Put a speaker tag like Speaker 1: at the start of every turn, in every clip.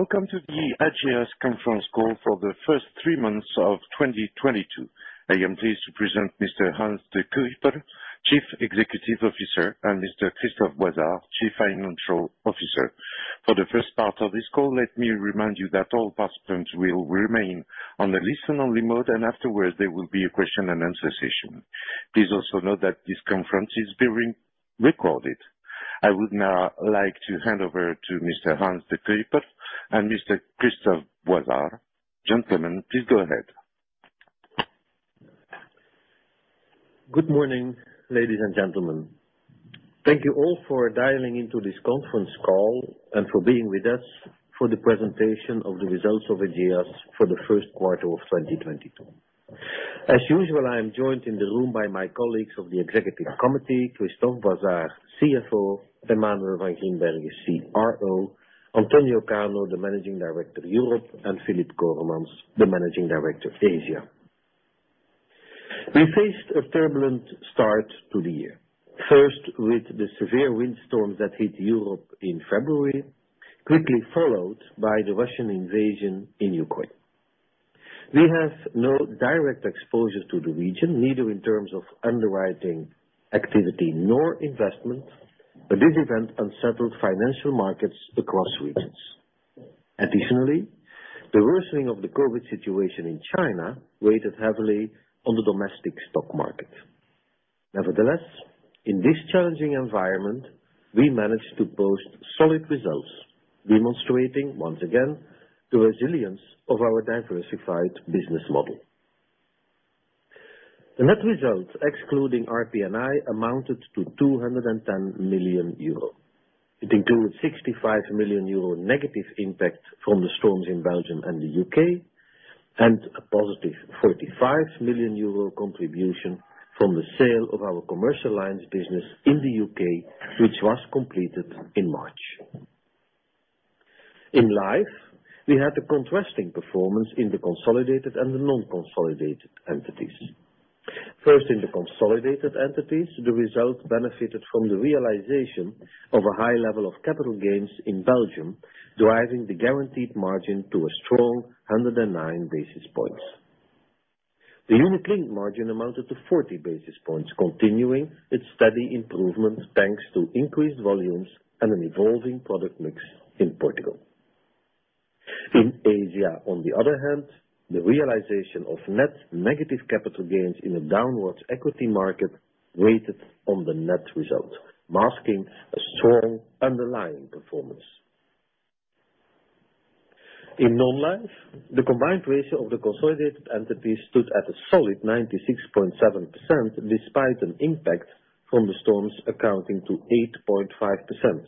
Speaker 1: Welcome to the Ageas conference call for the first three months of 2022. I am pleased to present Mr. Hans De Cuyper, Chief Executive Officer, and Mr. Christophe Boizard, Chief Financial Officer. For the first part of this call, let me remind you that all participants will remain on a listen-only mode, and afterwards there will be a question and answer session. Please also note that this conference is being recorded. I would now like to hand over to Mr. Hans De Cuyper and Mr. Christophe Boizard. Gentlemen, please go ahead.
Speaker 2: Good morning, ladies and gentlemen. Thank you all for dialing into this conference call and for being with us for the presentation of the results of Ageas for the first quarter of 2022. As usual, I am joined in the room by my colleagues of the executive committee, Christophe Boizard, CFO, Emmanuel Van Grimbergen, CRO, Antonio Cano, the Managing Director of Europe, and Filip Coremans, the Managing Director of Asia. We faced a turbulent start to the year. First, with the severe windstorms that hit Europe in February, quickly followed by the Russian invasion in Ukraine. We have no direct exposure to the region, neither in terms of underwriting activity nor investment. This event unsettled financial markets across regions. Additionally, the worsening of the COVID situation in China weighted heavily on the domestic stock market. Nevertheless, in this challenging environment, we managed to post solid results, demonstrating once again the resilience of our diversified business model. The net results, excluding RPNI, amounted to 210 million euro. It includes 65 million euro negative impact from the storms in Belgium and the UK, and a positive 45 million euro contribution from the sale of our commercial alliance business in the UK, which was completed in March. In Life, we had a contrasting performance in the consolidated and the non-consolidated entities. First, in the consolidated entities, the results benefited from the realization of a high level of capital gains in Belgium, driving the guaranteed margin to a strong 109 basis points. The human claim margin amounted to 40 basis points, continuing its steady improvement, thanks to increased volumes and an evolving product mix in Portugal. In Asia, on the other hand, the realization of net negative capital gains in a downward equity market weighed on the net result, masking a strong underlying performance. In non-life, the combined ratio of the consolidated entities stood at a solid 96.7% despite an impact from the storms amounting to 8.5%.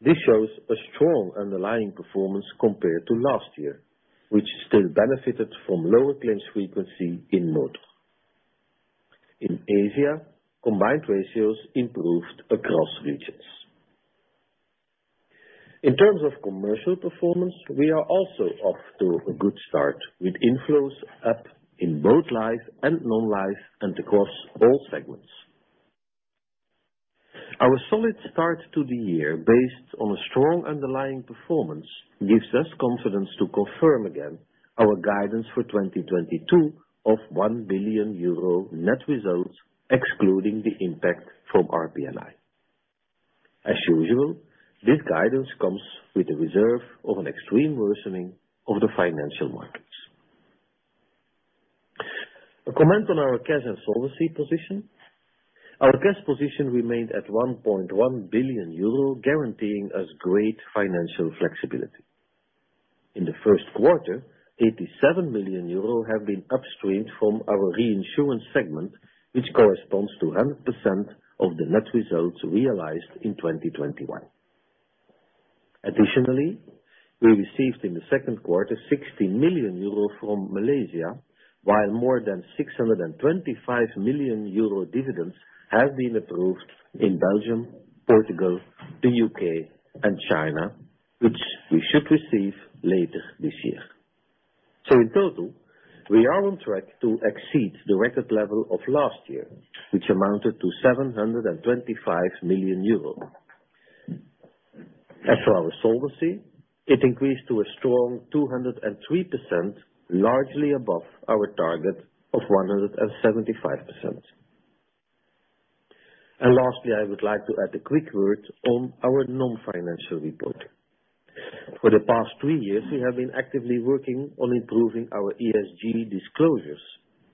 Speaker 2: This shows a strong underlying performance compared to last year, which still benefited from lower claims frequency in North. In Asia, combined ratios improved across regions. In terms of commercial performance, we are also off to a good start, with inflows up in both life and non-life and across all segments. Our solid start to the year, based on a strong underlying performance, gives us confidence to confirm again our guidance for 2022 of 1 billion euro net results, excluding the impact from RPNI. As usual, this guidance comes with the reserve of an extreme worsening of the financial markets. A comment on our cash and solvency position. Our cash position remained at 1.1 billion euro, guaranteeing us great financial flexibility. In the first quarter, 87 million euro have been upstreamed from our reinsurance segment, which corresponds to 100% of the net results realized in 2021. Additionally, we received in the second quarter 60 million euro from Malaysia, while more than 625 million euro dividends have been approved in Belgium, Portugal, the UK, and China, which we should receive later this year. In total, we are on track to exceed the record level of last year, which amounted to 725 million euros. As for our solvency, it increased to a strong 203%, largely above our target of 175%. Lastly, I would like to add a quick word on our non-financial report. For the past three years, we have been actively working on improving our ESG disclosures,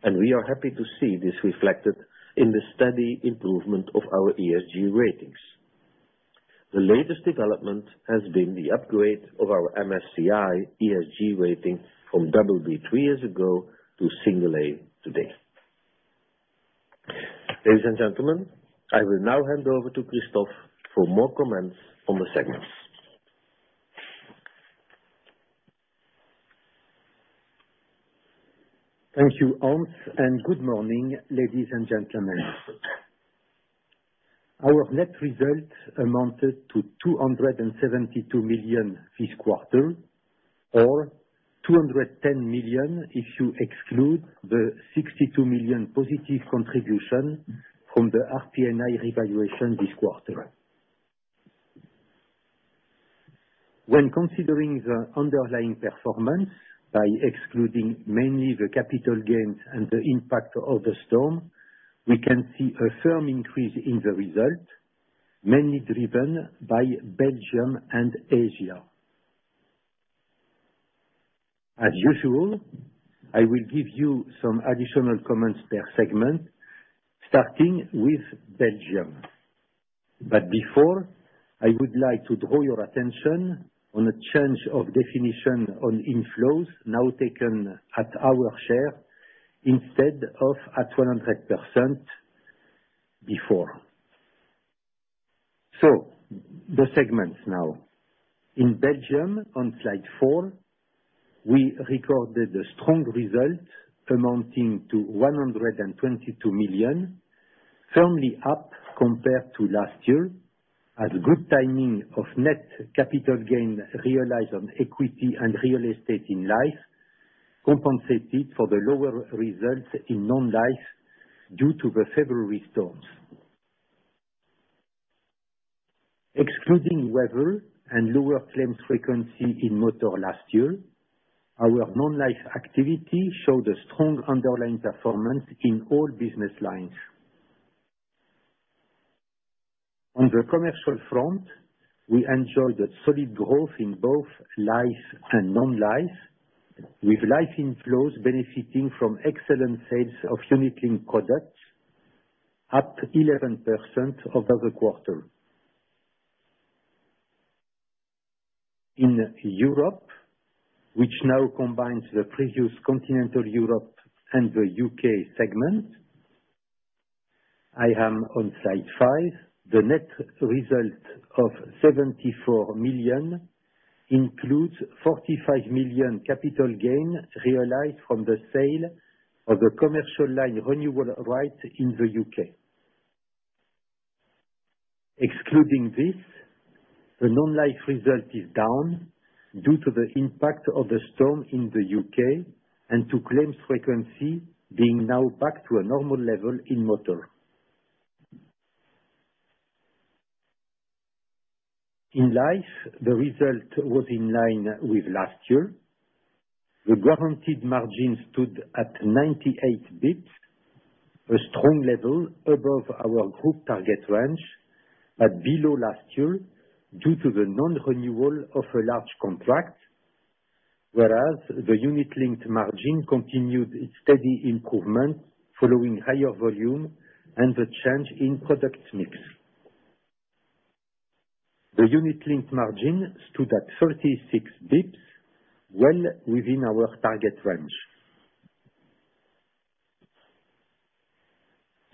Speaker 2: and we are happy to see this reflected in the steady improvement of our ESG ratings. The latest development has been the upgrade of our MSCI ESG rating from double B three years ago to single A today. Ladies and gentlemen, I will now hand over to Christophe for more comments on the segments.
Speaker 3: Thank you, Hans, and good morning, ladies and gentlemen. Our net results amounted to 272 million this quarter or 210 million, if you exclude the 62 million positive contribution from the RPNI revaluation this quarter. When considering the underlying performance by excluding mainly the capital gains and the impact of the storm, we can see a firm increase in the result, mainly driven by Belgium and Asia. As usual, I will give you some additional comments per segment, starting with Belgium. Before, I would like to draw your attention on a change of definition on inflows now taken at our share instead of at 100% before. The segments now. In Belgium, on slide four, we recorded a strong result amounting to 122 million, firmly up compared to last year, as good timing of net capital gains realized on equity and real estate in life compensated for the lower results in non-life due to the February storms. Excluding weather and lower claims frequency in motor last year, our non-life activity showed a strong underlying performance in all business lines. On the commercial front, we enjoyed a solid growth in both life and non-life, with life inflows benefiting from excellent sales of unit-linked products, up 11% over the quarter. In Europe, which now combines the previous Continental Europe and the UK segment, I am on slide five. The net result of 74 million includes 45 million capital gain realized from the sale of the commercial line renewal rights in the UK. Excluding this, the non-life result is down due to the impact of the storm in the UK and to claims frequency being now back to a normal level in motor. In life, the result was in line with last year. The guaranteed margin stood at 98 basis points, a strong level above our group target range, but below last year due to the non-renewal of a large contract. Whereas the unit-linked margin continued its steady improvement following higher volume and the change in product mix. The unit-linked margin stood at 36 basis points, well within our target range.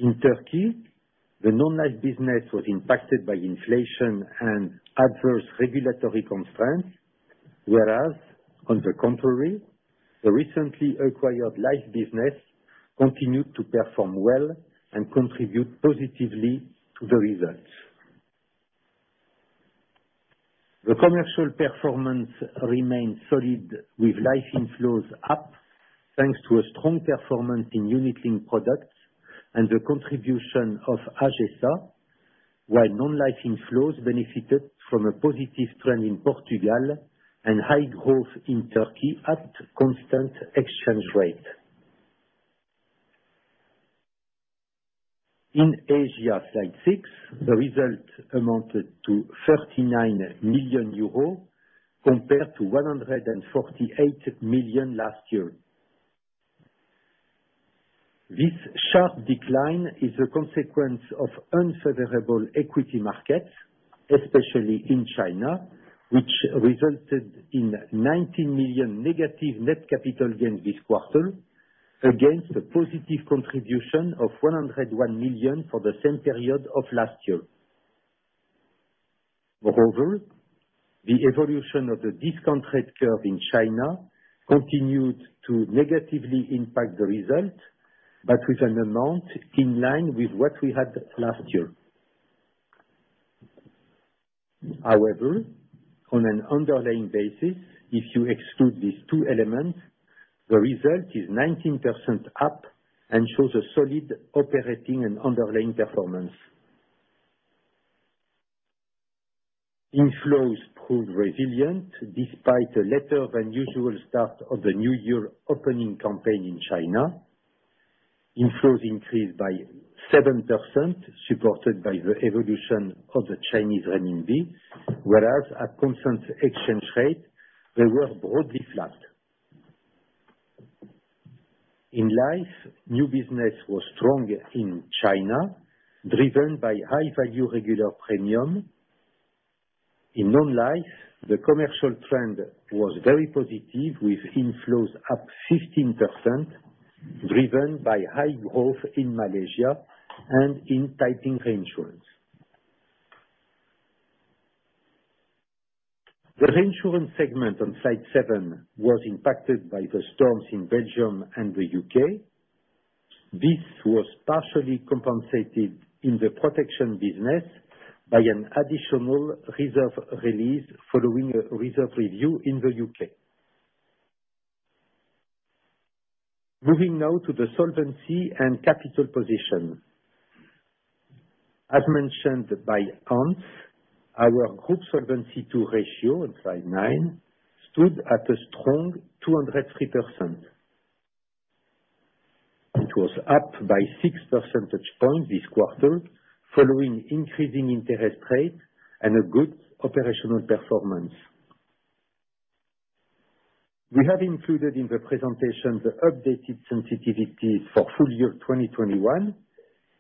Speaker 3: In Turkey, the non-life business was impacted by inflation and adverse regulatory constraints. Whereas on the contrary, the recently acquired life business continued to perform well and contribute positively to the results. The commercial performance remained solid with life inflows up, thanks to a strong performance in unit-linked products and the contribution of Ageas, while non-life inflows benefited from a positive trend in Portugal and high growth in Turkey at constant exchange rate. In Asia, Slide six, the result amounted to 39 million euros, compared to 148 million last year. This sharp decline is a consequence of unfavorable equity markets, especially in China, which resulted in 19 million negative net capital gain this quarter, against a positive contribution of 101 million for the same period of last year. Moreover, the evolution of the discount rate curve in China continued to negatively impact the result, but with an amount in line with what we had last year. However, on an underlying basis, if you exclude these two elements, the result is 19% up and shows a solid operating and underlying performance. Inflows proved resilient despite a later than usual start of the new year opening campaign in China. Inflows increased by 7%, supported by the evolution of the Chinese renminbi, whereas at constant exchange rate, they were broadly flat. In life, new business was strong in China, driven by high-value regular premium. In non-life, the commercial trend was very positive with inflows up 15%, driven by high growth in Malaysia and in Taiping Re. The reinsurance segment on slide seven was impacted by the storms in Belgium and the U.K. This was partially compensated in the protection business by an additional reserve release following a reserve review in the U.K. Moving now to the solvency and capital position. As mentioned by Hans, our group Solvency ratio on slide nine stood at a strong 203%. It was up by six percentage points this quarter following increasing interest rates and a good operational performance. We have included in the presentation the updated sensitivity for full year 2021,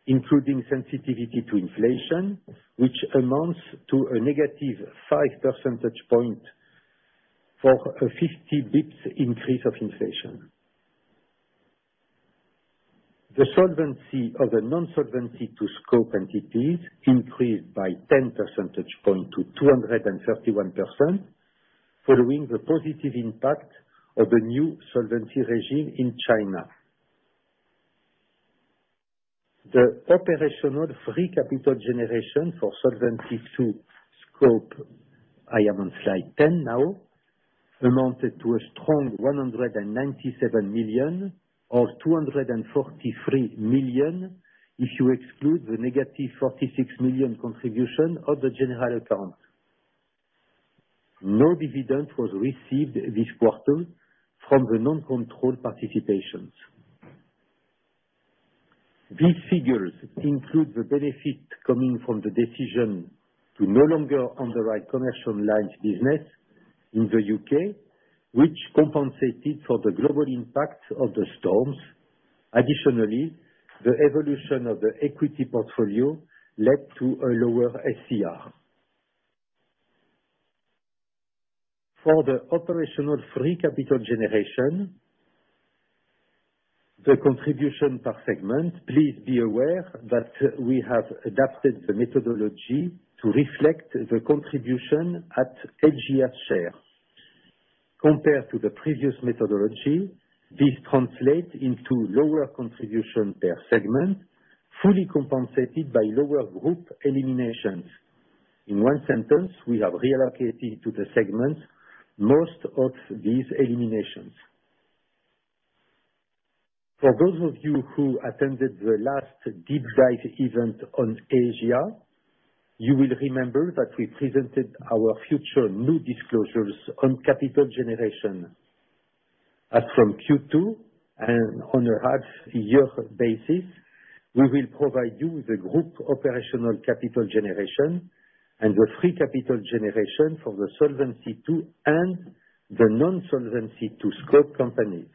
Speaker 3: including sensitivity to inflation, which amounts to a -5 percentage points for a 50 bps increase of inflation. The Solvency of the non-Solvency II scope entities increased by 10 percentage points to 231% following the positive impact of the new solvency regime in China. The operational free capital generation for Solvency II scope, I am on slide 10 now, amounted to a strong 197 million, or 243 million if you exclude the negative 46 million contribution of the general account. No dividend was received this quarter from the non-controlled participations. These figures include the benefit coming from the decision to no longer underwrite commercial lines business in the UK, which compensated for the global impact of the storms. Additionally, the evolution of the equity portfolio led to a lower SCR. For the operational free capital generation, the contribution per segment, please be aware that we have adapted the methodology to reflect the contribution at AGS share. Compared to the previous methodology, this translates into lower contribution per segment, fully compensated by lower group eliminations. In one sentence, we have reallocated to the segments most of these eliminations. For those of you who attended the last deep dive event on Asia, you will remember that we presented our future new disclosures on capital generation. As from Q2, and on a half year basis, we will provide you with the group operational capital generation and the free capital generation for the Solvency II and the non-Solvency II scope companies.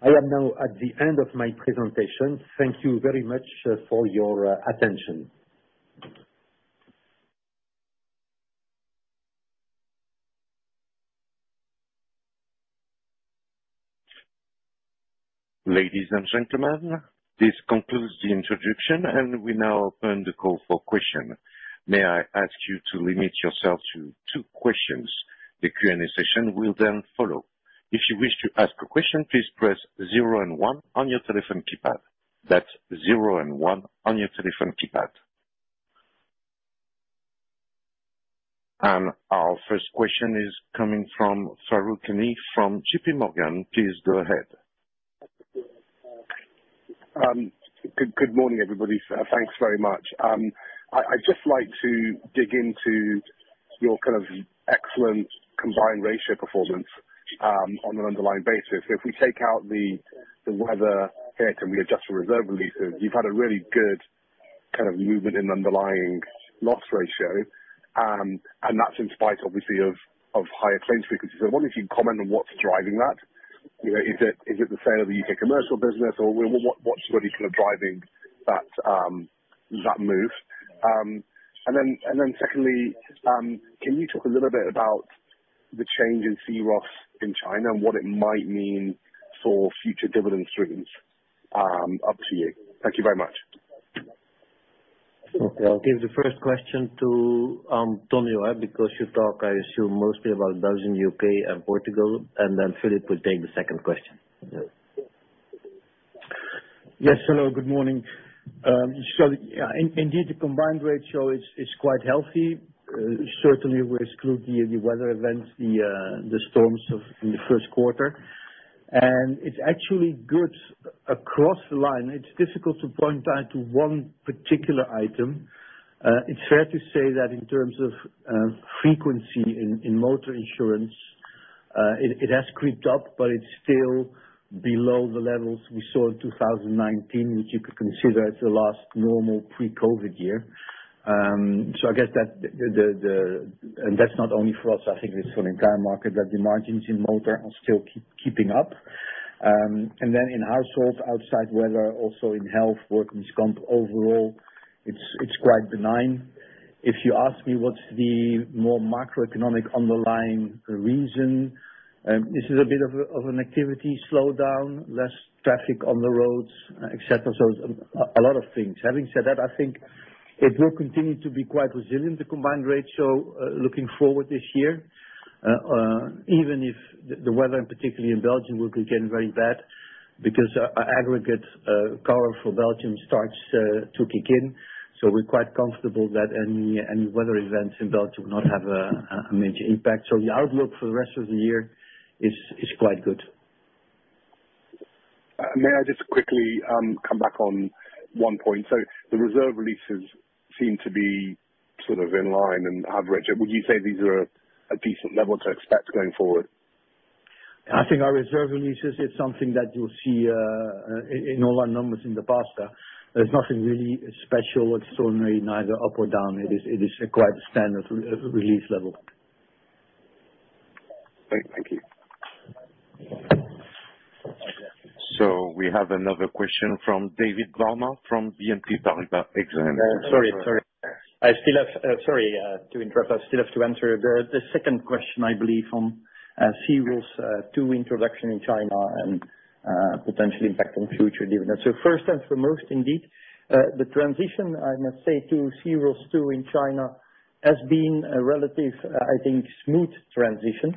Speaker 3: I am now at the end of my presentation. Thank you very much for your attention.
Speaker 1: Ladies and gentlemen, this concludes the introduction, and we now open the call for questions. May I ask you to limit yourself to two questions? The Q&A session will then follow. If you wish to ask a question, please press zero and one on your telephone keypad. That's zero and one on your telephone keypad. Our first question is coming from Farooq Hanif from J.P. Morgan. Please go ahead.
Speaker 4: Good morning, everybody. Thanks very much. I'd just like to dig into your kind of excellent combined ratio performance on an underlying basis. If we take out the weather hit and we adjust for reserve releases, you've had a really good kind of movement in underlying loss ratio, and that's in spite, obviously of higher claims frequency. I wonder if you can comment on what's driving that. You know, is it the sale of the UK commercial business or what's really sort of driving that move? Secondly, can you talk a little bit about the change in C-ROSS in China and what it might mean for future dividend streams? Up to you. Thank you very much.
Speaker 3: Okay. I'll give the first question to Tony, right? Because you talk, I assume, mostly about Belgium, U.K., and Portugal, and then Philip will take the second question.
Speaker 5: Yes. Hello. Good morning. Yeah, indeed, the combined ratio is quite healthy. Certainly we exclude the weather events, the storms in the first quarter. It's actually good across the line. It's difficult to point to one particular item. It's fair to say that in terms of frequency in motor insurance, it has crept up, but it's still below the levels we saw in 2019, which you could consider the last normal pre-COVID year. I guess that, and that's not only for us, I think it's for the entire market, that the margins in motor are still keeping up. Then in households, outside weather, also in health, workers' comp overall, it's quite benign. If you ask me what's the more macroeconomic underlying reason, this is a bit of an activity slowdown, less traffic on the roads, et cetera. A lot of things. Having said that, I think. It will continue to be quite resilient, the combined ratio, looking forward this year, even if the weather, and particularly in Belgium will be getting very bad, because our aggregate power for Belgium starts to kick in. We're quite comfortable that any weather events in Belgium will not have a major impact. The outlook for the rest of the year is quite good.
Speaker 4: May I just quickly come back on one point? The reserve releases seem to be sort of in line and have ranged. Would you say these are a decent level to expect going forward?
Speaker 5: I think our reserve releases is something that you'll see in all our numbers in the past. There's nothing really special, extraordinary, neither up or down. It is quite a standard re-release level.
Speaker 4: Great. Thank you.
Speaker 1: We have another question from David Barma, from BNP Paribas Exane.
Speaker 5: Sorry to interrupt. I still have to answer the second question, I believe, from C-ROSS II introduction in China and potential impact on future dividend. First and foremost indeed, the transition, I must say, to C-ROSS II in China has been a relatively smooth transition.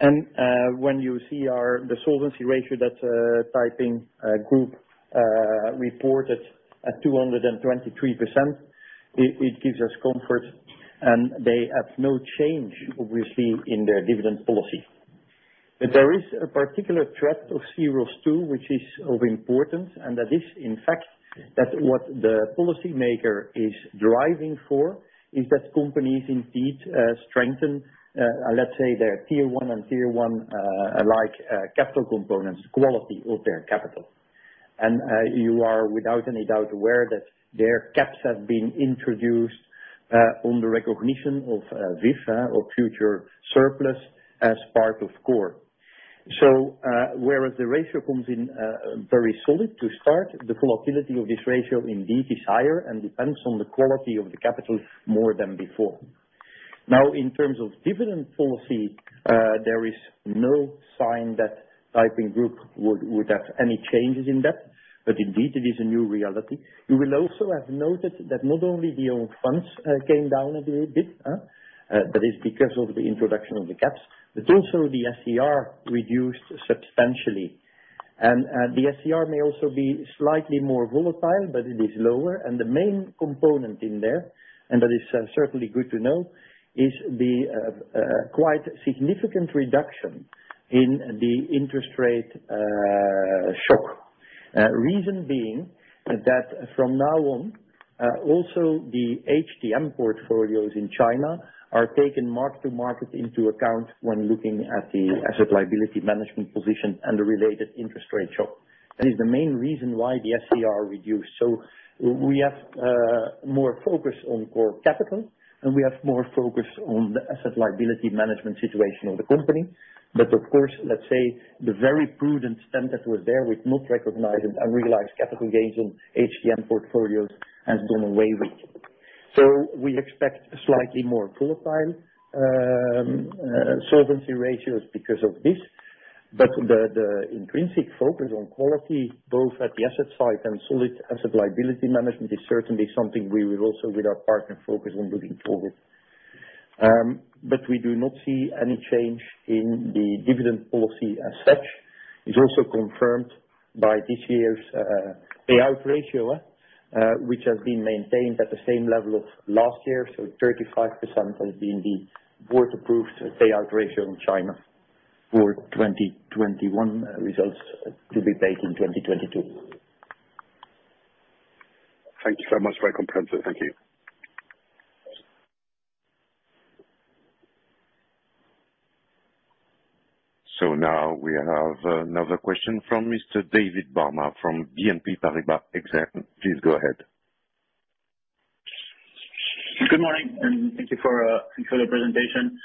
Speaker 5: When you see the solvency ratio that Taiping Group reported at 223%, it gives us comfort. They have no change, obviously, in their dividend policy. There is a particular thread of C-ROSS II which is of importance, and that is, in fact, that what the policymaker is driving for is that companies indeed strengthen, let's say, their Tier one and Tier one-like capital components, quality of their capital. You are without any doubt aware that their caps have been introduced on the recognition of VIF or future surplus as part of core. Whereas the ratio comes in very solid to start, the volatility of this ratio indeed is higher and depends on the quality of the capital more than before. Now, in terms of dividend policy, there is no sign that Taiping Group would have any changes in that. Indeed it is a new reality. You will also have noted that not only the own funds came down a little bit, that is because of the introduction of the caps, but also the SCR reduced substantially. The SCR may also be slightly more volatile, but it is lower. The main component in there, and that is certainly good to know, is the quite significant reduction in the interest rate shock. Reason being that from now on, also the HTM portfolios in China are taken mark-to-market into account when looking at the asset liability management position and the related interest rate shock. That is the main reason why the SCR reduced. We have more focus on core capital, and we have more focus on the asset liability management situation of the company. Of course, let's say the very prudent stance that was there with not recognizing unrealized capital gains on HTM portfolios has gone away with it. We expect slightly more volatile solvency ratios because of this. The intrinsic focus on quality, both at the asset side and solid asset liability management, is certainly something we will also with our partner focus on moving forward. We do not see any change in the dividend policy as such, is also confirmed by this year's payout ratio, which has been maintained at the same level of last year. 35% has been the board approved payout ratio in China for 2021 results to be paid in 2022.
Speaker 4: Thank you so much for your comprehensive. Thank you.
Speaker 1: Now we have another question from Mr. David Barma from BNP Paribas Exane. Please go ahead.
Speaker 6: Good morning, and thank you for the presentation.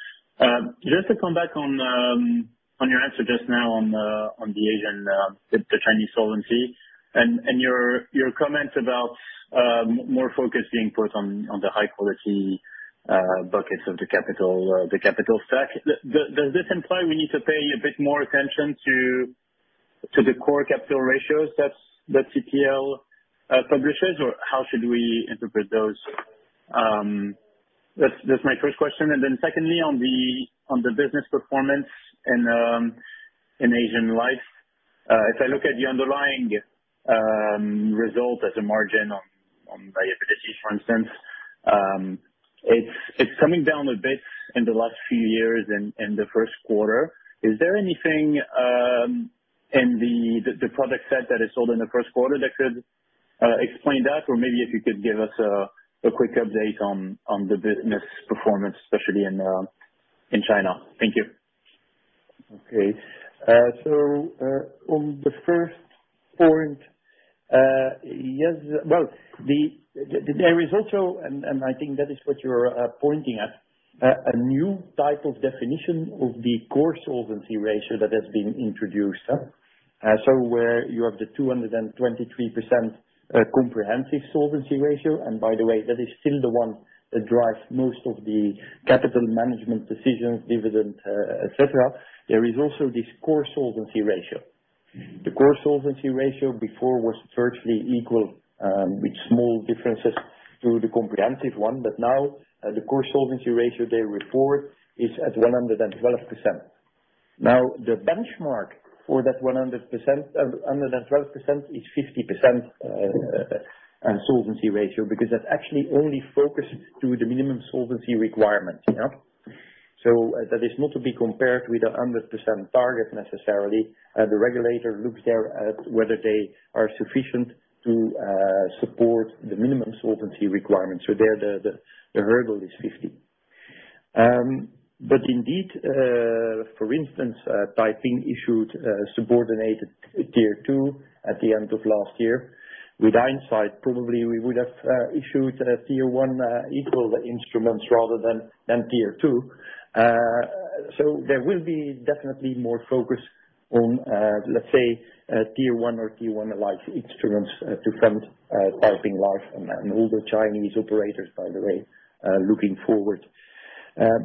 Speaker 6: Just to come back on your answer just now on the Asian the Chinese solvency and your comments about more focus being put on the high quality buckets of the capital stack. Does this imply we need to pay a bit more attention to the core capital ratios that TPL publishes or how should we interpret those? That's my first question. Secondly, on the business performance in Asian life, if I look at the underlying result as a margin on liabilities for instance, it's coming down a bit in the last few years in the first quarter. Is there anything in the product set that is sold in the first quarter that could explain that? Maybe if you could give us a quick update on the business performance, especially in China. Thank you.
Speaker 5: Okay. On the first point, yes. Well, there is also, and I think that is what you're pointing at, a new type of definition of the core solvency ratio that has been introduced. Where you have the 223% comprehensive solvency ratio, and by the way, that is still the one that drives most of the capital management decisions, dividend, et cetera. There is also this core solvency ratio. The core solvency ratio before was virtually equal, with small differences to the comprehensive one. Now, the core solvency ratio they report is at 112%. Now, the benchmark for that 112% is 50% on solvency ratio, because that's actually only focused to the minimum solvency requirement, you know? That is not to be compared with a 100% target necessarily. The regulator looks there at whether they are sufficient to support the minimum solvency requirement. There the hurdle is 50. Indeed, for instance, Taiping issued subordinated Tier two at the end of last year. With hindsight, probably we would have issued a Tier one equal instruments rather than Tier two. There will be definitely more focus on, let's say, Tier one or Tier one life instruments, to fund Taiping Life and all the Chinese operators by the way, looking forward.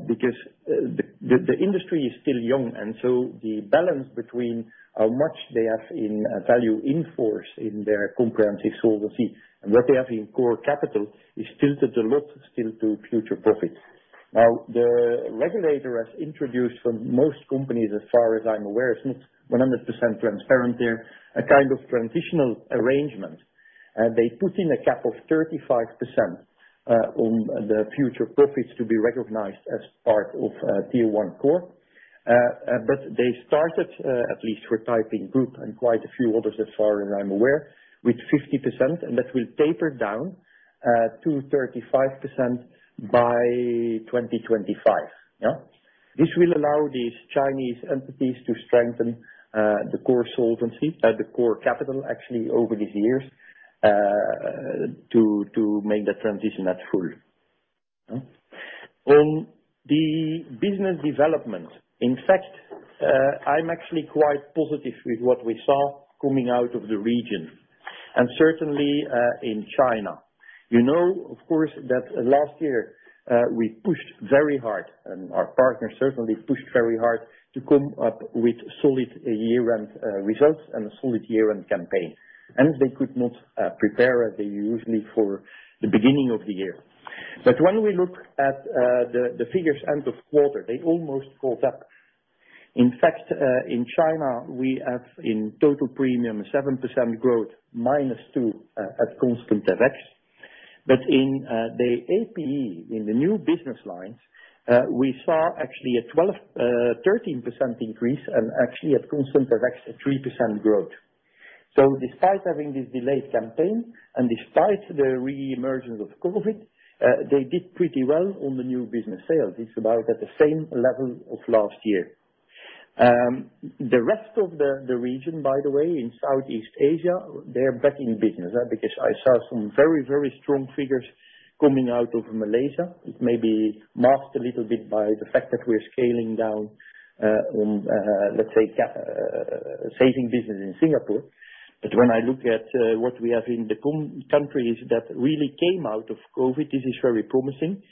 Speaker 5: Because the industry is still young, the balance between how much they have in Value in Force in their comprehensive solvency and what they have in core capital is tilted a lot still to future profits. Now, the regulator has introduced for most companies, as far as I'm aware, it's not 100% transparent here, a kind of transitional arrangement. They put in a cap of 35% on the future profits to be recognized as part of Tier one core, but they started, at least for Taiping Group and quite a few others as far as I'm aware, with 50%, and that will taper down to 35% by 2025. Yeah? This will allow these Chinese entities to strengthen the core solvency, the core capital actually over these years, to make that transition at full. The business development. In fact, I'm actually quite positive with what we saw coming out of the region, and certainly in China. You know, of course, that last year we pushed very hard and our partners certainly pushed very hard to come up with solid year-end results and a solid year-end campaign. They could not prepare as they usually for the beginning of the year. When we look at the end-of-quarter figures, they almost caught up. In fact, in China, we have in total premium 7% growth, -2% at constant FX. In the APE, in the new business lines, we saw actually a 12%-13% increase and actually a constant FX 3% growth. Despite having this delayed campaign and despite the re-emergence of COVID, they did pretty well on the new business sales. It's about at the same level of last year. The rest of the region, by the way, in Southeast Asia, they are back in business, because I saw some very, very strong figures coming out of Malaysia. It may be masked a little bit by the fact that we're scaling down, let's say, saving business in Singapore. When I look at what we have in the countries that really came out of COVID, this is very promising.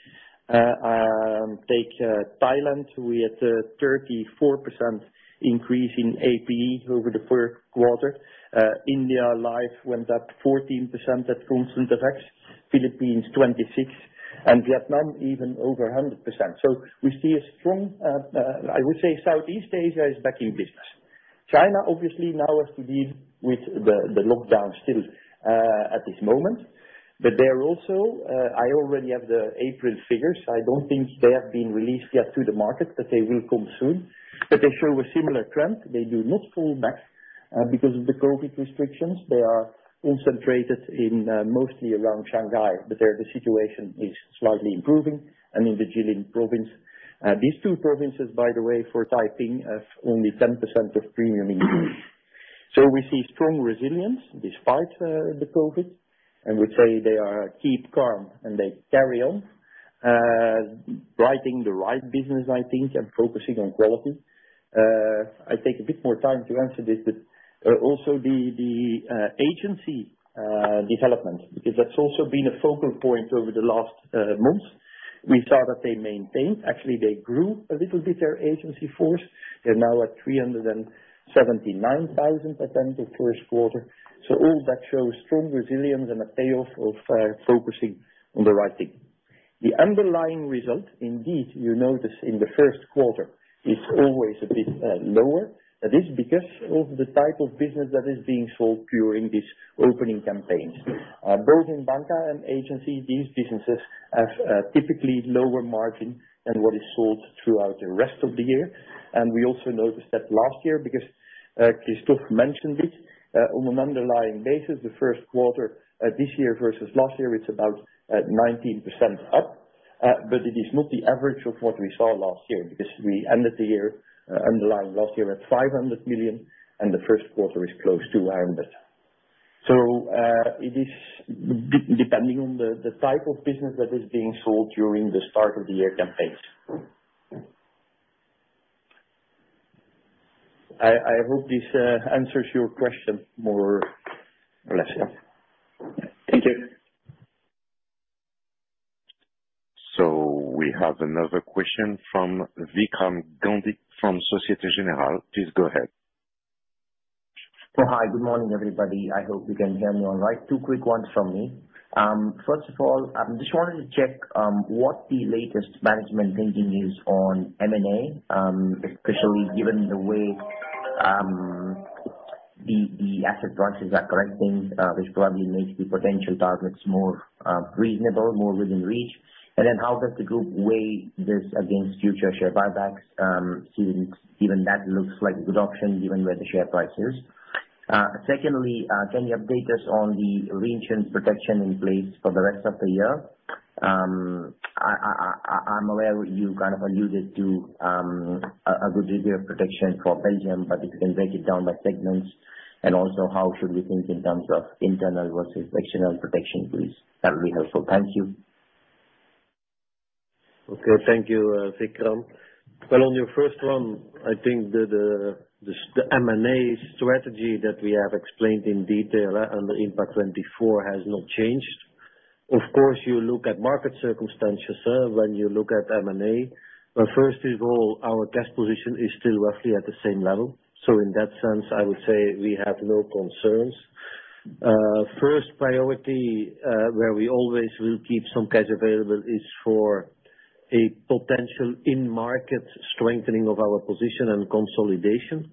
Speaker 5: Take Thailand with a 34% increase in APE over the first quarter. India Life went up 14% at constant FX, Philippines 26, and Vietnam even over 100%. We see a strong, I would say Southeast Asia is back in business. China obviously now has to deal with the lockdown still at this moment. They're also, I already have the April figures. I don't think they have been released yet to the market, but they will come soon. They show a similar trend. They do not fall back because of the COVID restrictions. They are concentrated in mostly around Shanghai, but there the situation is slightly improving, and in the Jilin province. These two provinces, by the way, for Taiping, have only 10% of premium income. We see strong resilience despite the COVID, and we say they keep calm and carry on, writing the right business, I think, and focusing on quality. I take a bit more time to answer this, but also the agency development, because that's also been a focal point over the last months. We saw that they actually grew a little bit their agency force. They're now at 379,000 at end of first quarter. All that shows strong resilience and a payoff of focusing on the right thing. The underlying result, indeed, you notice in the first quarter is always a bit lower. That is because of the type of business that is being sold during these opening campaigns. Both in banca and agency, these businesses have typically lower margin than what is sold throughout the rest of the year. We also noticed that last year, because Christophe mentioned it, on an underlying basis, the first quarter this year versus last year, it's about 19% up. It is not the average of what we saw last year because we ended the year underlying last year at 500 million, and the first quarter is close to 100 million. It is depending on the type of business that is being sold during the start of the year campaigns. I hope this answers your question more or less.
Speaker 6: Thank you.
Speaker 1: We have another question from Vikram Gandhi from Société Générale. Please go ahead.
Speaker 7: Hi, good morning, everybody. I hope you can hear me all right. Two quick ones from me. First of all, I just wanted to check what the latest management thinking is on M&A, especially given the way the asset prices are correcting, which probably makes the potential targets more reasonable, more within reach. Then how does the group weigh this against future share buybacks, since even that looks like a good option given where the share price is. Secondly, can you update us on the reinsurance protection in place for the rest of the year? I'm aware you kind of alluded to a good degree of protection for Belgium, but if you can break it down by segments, and also how should we think in terms of internal versus external protection, please? That would be helpful. Thank you.
Speaker 2: Okay. Thank you, Vikram. Well, on your first one, I think that the M&A strategy that we have explained in detail at on the Impact24 has not changed. Of course, you look at market circumstances when you look at M&A. First of all, our cash position is still roughly at the same level. In that sense, I would say we have no concerns. First priority where we always will keep some cash available is for a potential in-market strengthening of our position and consolidation.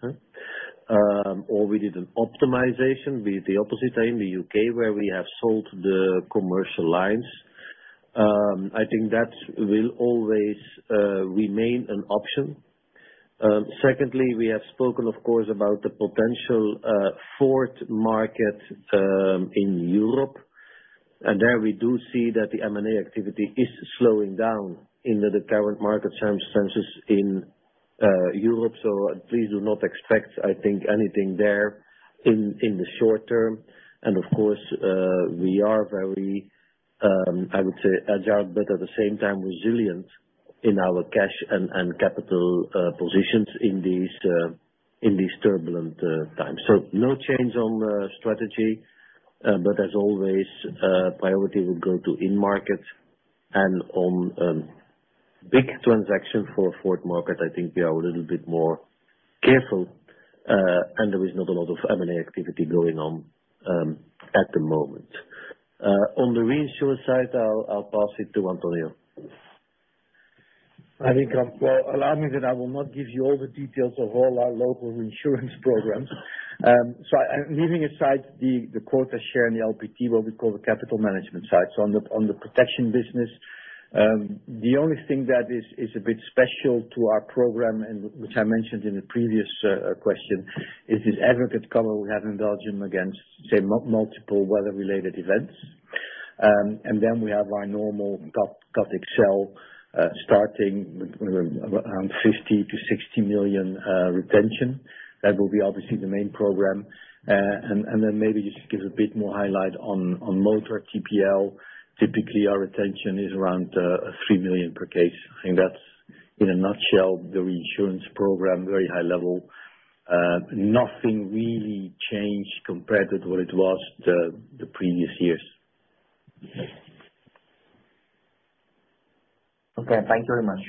Speaker 2: Or we did an optimization with the opposite side in the UK where we have sold the commercial lines. I think that will always remain an option. Secondly, we have spoken, of course, about the potential fourth market in Europe. There we do see that the M&A activity is slowing down in the current market circumstances in Europe, so please do not expect, I think, anything there in the short term. Of course, we are very, I would say agile, but at the same time resilient in our cash and capital positions in these turbulent times. No change on the strategy, but as always, priority will go to in-market and on big transactions for the market, I think we are a little bit more careful, and there is not a lot of M&A activity going on at the moment. On the reinsurance side, I'll pass it to Antonio.
Speaker 5: Hi, Vikram. Well, allow me that I will not give you all the details of all our local reinsurance programs. Leaving aside the quota share in the LPT, what we call the capital management side. On the protection business, the only thing that is a bit special to our program and which I mentioned in the previous question, is this aggregate cover we have in Belgium against, say, multiple weather-related events. Then we have our normal Cat XL starting with 50 million-60 million retention. That will be obviously the main program. Then maybe just to give a bit more highlight on motor TPL, typically our retention is around 3 million per case. I think that's, in a nutshell, the reinsurance program, very high level. Nothing really changed compared with what it was the previous years.
Speaker 7: Okay. Thank you very much.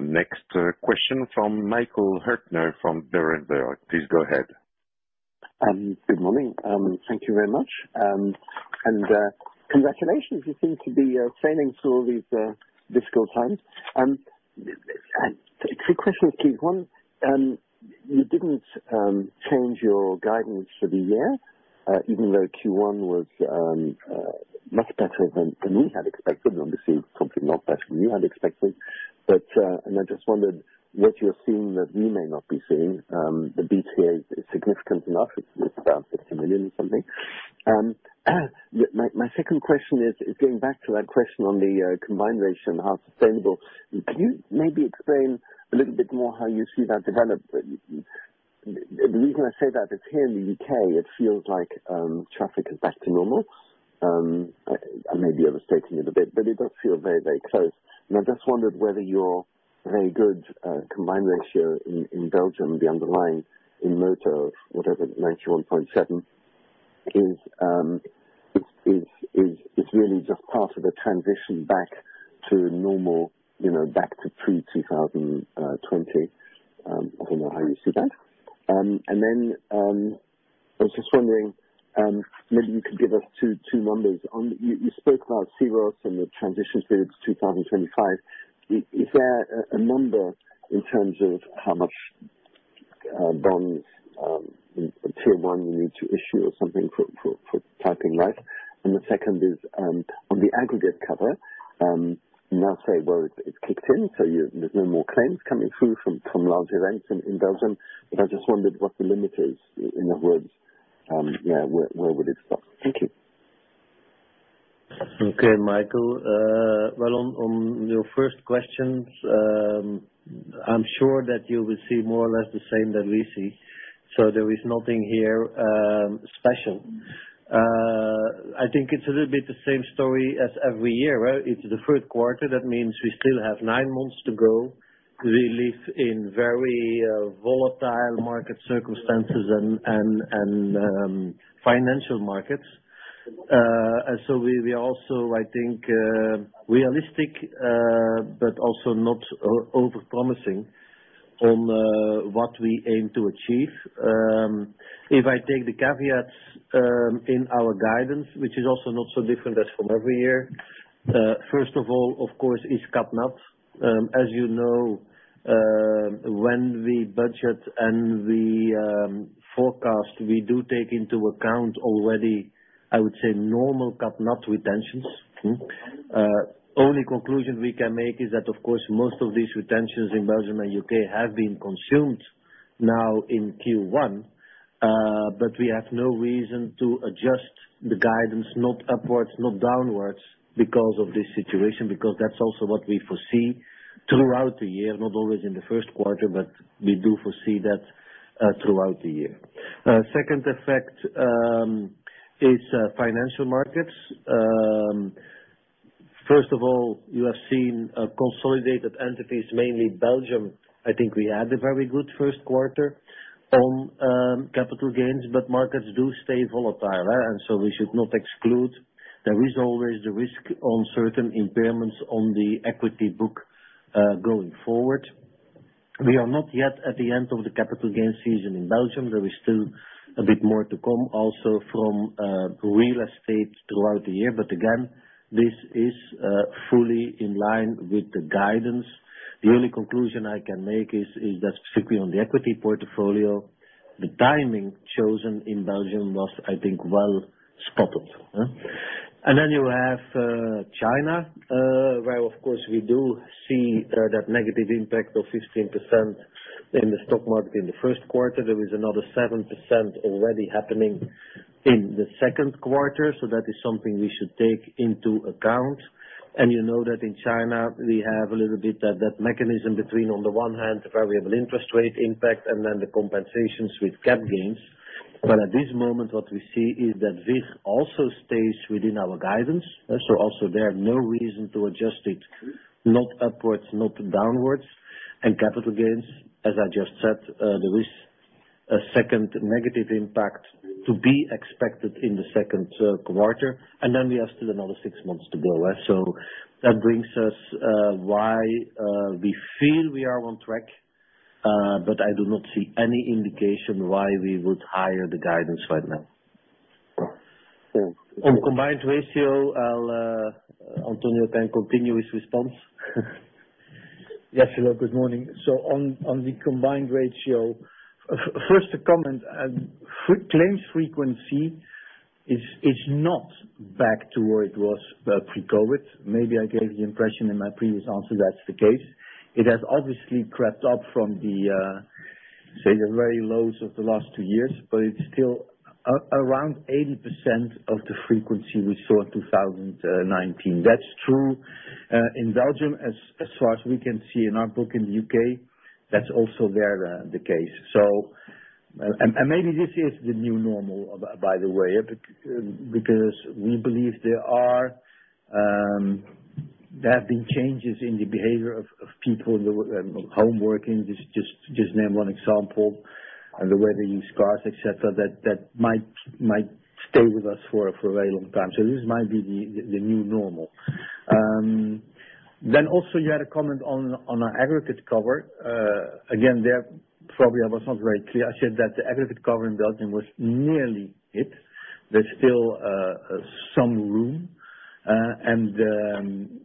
Speaker 1: Next, question from Michael Huttner from Berenberg. Please go ahead.
Speaker 8: Good morning. Thank you very much. Congratulations, you seem to be sailing through all these difficult times. Two questions, Keith. One, you didn't change your guidance for the year, even though Q1 was much better than we had expected, obviously probably not better than you had expected. I just wondered what you're seeing that we may not be seeing. The beat here is significant enough. It's about 50 million or something. My second question is going back to that question on the combined ratio and how sustainable. Can you maybe explain a little bit more how you see that develop? The reason I say that is here in the UK, it feels like traffic is back to normal. I may be overstating it a bit, but it does feel very, very close. I just wondered whether your very good combined ratio in Belgium, the underlying in motor of whatever 91.7%, is really just part of a transition back to normal, you know, back to pre-2020. I don't know how you see that. I was just wondering, maybe you could give us two numbers on. You spoke about policies and the transition period to 2025. Is there a number in terms of how much bonds in Tier one you need to issue or something for Taiping Life? The second is, on the aggregate cover, you now say, well, it's kicked in, there's no more claims coming through from large events in Belgium, but I just wondered what the limit is. In other words, yeah, where would it stop? Thank you.
Speaker 2: Okay, Michael. Well, on your first questions, I'm sure that you will see more or less the same that we see. There is nothing here special. I think it's a little bit the same story as every year, right? It's the first quarter. That means we still have nine months to go. We live in very volatile market circumstances and financial markets. We also, I think, realistic, but also not over promising on what we aim to achieve. If I take the caveats in our guidance, which is also not so different as from every year, first of all, of course, is cat nat. As you know, when we budget and we forecast, we do take into account already, I would say normal cat nat retentions. Only conclusion we can make is that of course, most of these retentions in Belgium and U.K. have been consumed now in Q1. But we have no reason to adjust the guidance, not upwards, not downwards because of this situation, because that's also what we foresee throughout the year. Not always in the first quarter, but we do foresee that throughout the year. Second effect is financial markets. First of all, you have seen our consolidated entities, mainly Belgium. I think we had a very good first quarter on capital gains, but markets do stay volatile. We should not exclude. There is always the risk on certain impairments on the equity book going forward. We are not yet at the end of the capital gains season in Belgium. There is still a bit more to come also from real estate throughout the year. Again, this is fully in line with the guidance. The only conclusion I can make is that strictly on the equity portfolio, the timing chosen in Belgium was, I think, well-spotted. Then you have China, where of course we do see that negative impact of 15% in the stock market in the first quarter. There is another 7% already happening in the second quarter, so that is something we should take into account. You know that in China, we have a little bit of that mechanism between, on the one hand, where we have an interest rate impact and then the compensations with cap gains. At this moment, what we see is that this also stays within our guidance. Also there are no reason to adjust it, not upwards, not downwards. Capital gains, as I just said, there is a second negative impact to be expected in the second quarter, and then we are still another six months to go. That brings us to why we feel we are on track, but I do not see any indication why we would raise the guidance right now.
Speaker 5: Cool.
Speaker 2: On combined ratio, I'll Antonio can continue his response.
Speaker 5: Yes, hello, good morning. On the combined ratio. First a comment. Claims frequency is not back to where it was pre-COVID. Maybe I gave the impression in my previous answer that's the case. It has obviously crept up from, say, the very lows of the last two years, but it's still around 80% of the frequency we saw in 2019. That's true in Belgium as far as we can see. In our book in the UK, that's also the case. Maybe this is the new normal, by the way, because we believe there are, there have been changes in the behavior of people who home working, just name one example, the way they use cars, et cetera, that might stay with us for a very long time. This might be the new normal. Also you had a comment on our aggregate cover. Again, there probably I was not very clear. I said that the aggregate cover in Belgium was nearly it. There's still some room, and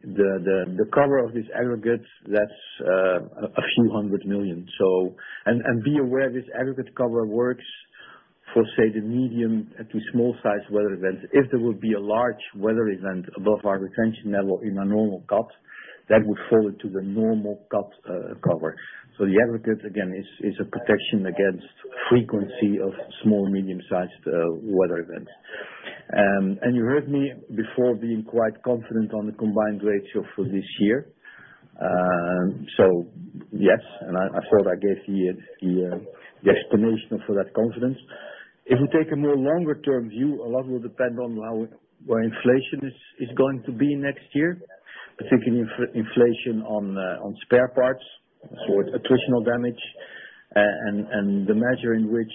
Speaker 5: the cover of this aggregate, that's a few hundred million EUR. Be aware this aggregate cover works for, say, the medium to small size weather events. If there would be a large weather event above our retention level in a normal cat, that would fall into the normal cat cover. The aggregate again is a protection against frequency of small medium-sized weather events. You heard me before being quite confident on the combined ratio for this year. Yes, I thought I gave the explanation for that confidence. If we take a more longer term view, a lot will depend on how where inflation is going to be next year. Particularly inflation on spare parts, so it's attritional damage and the measure in which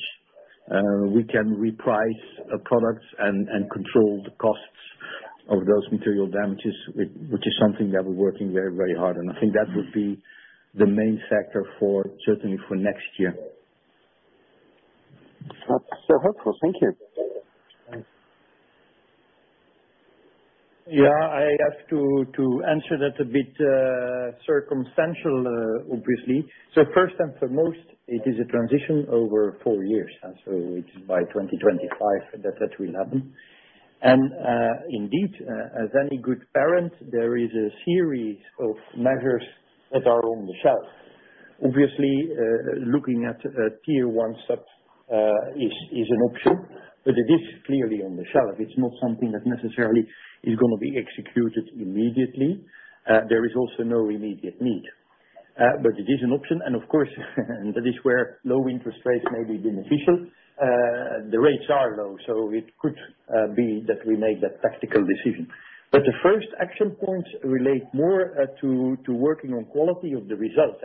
Speaker 5: we can reprice products and control the costs of those material damages, which is something that we're working very, very hard on. I think that would be the main factor for, certainly for next year.
Speaker 8: That's so helpful. Thank you.
Speaker 2: I have to answer that a bit circumstantial, obviously. First and foremost, it is a transition over four years. It's by 2025 that that will happen. As any good parent, there is a series of measures that are on the shelf. Looking at Tier one sub is an option, but it is clearly on the shelf. It's not something that necessarily is gonna be executed immediately. There is also no immediate need, but it is an option. Of course, that is where low interest rates may be beneficial. The rates are low, so it could be that we made that tactical decision. The first action points relate more to working on quality of the result.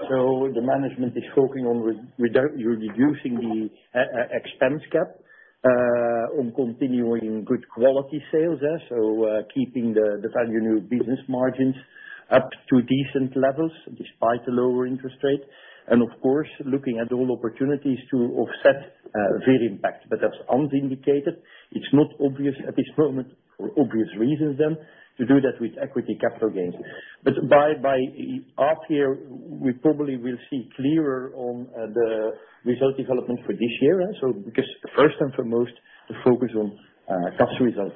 Speaker 2: The management is focusing on reducing the expense cap on continuing good quality sales, yeah, keeping the value new business margins up to decent levels despite the lower interest rate and of course looking at all opportunities to offset their impact. As Andy indicated, it's not obvious at this moment for obvious reasons then to do that with equity capital gains. By half year, we probably will see clearer on the result development for this year. Because first and foremost the focus on customer result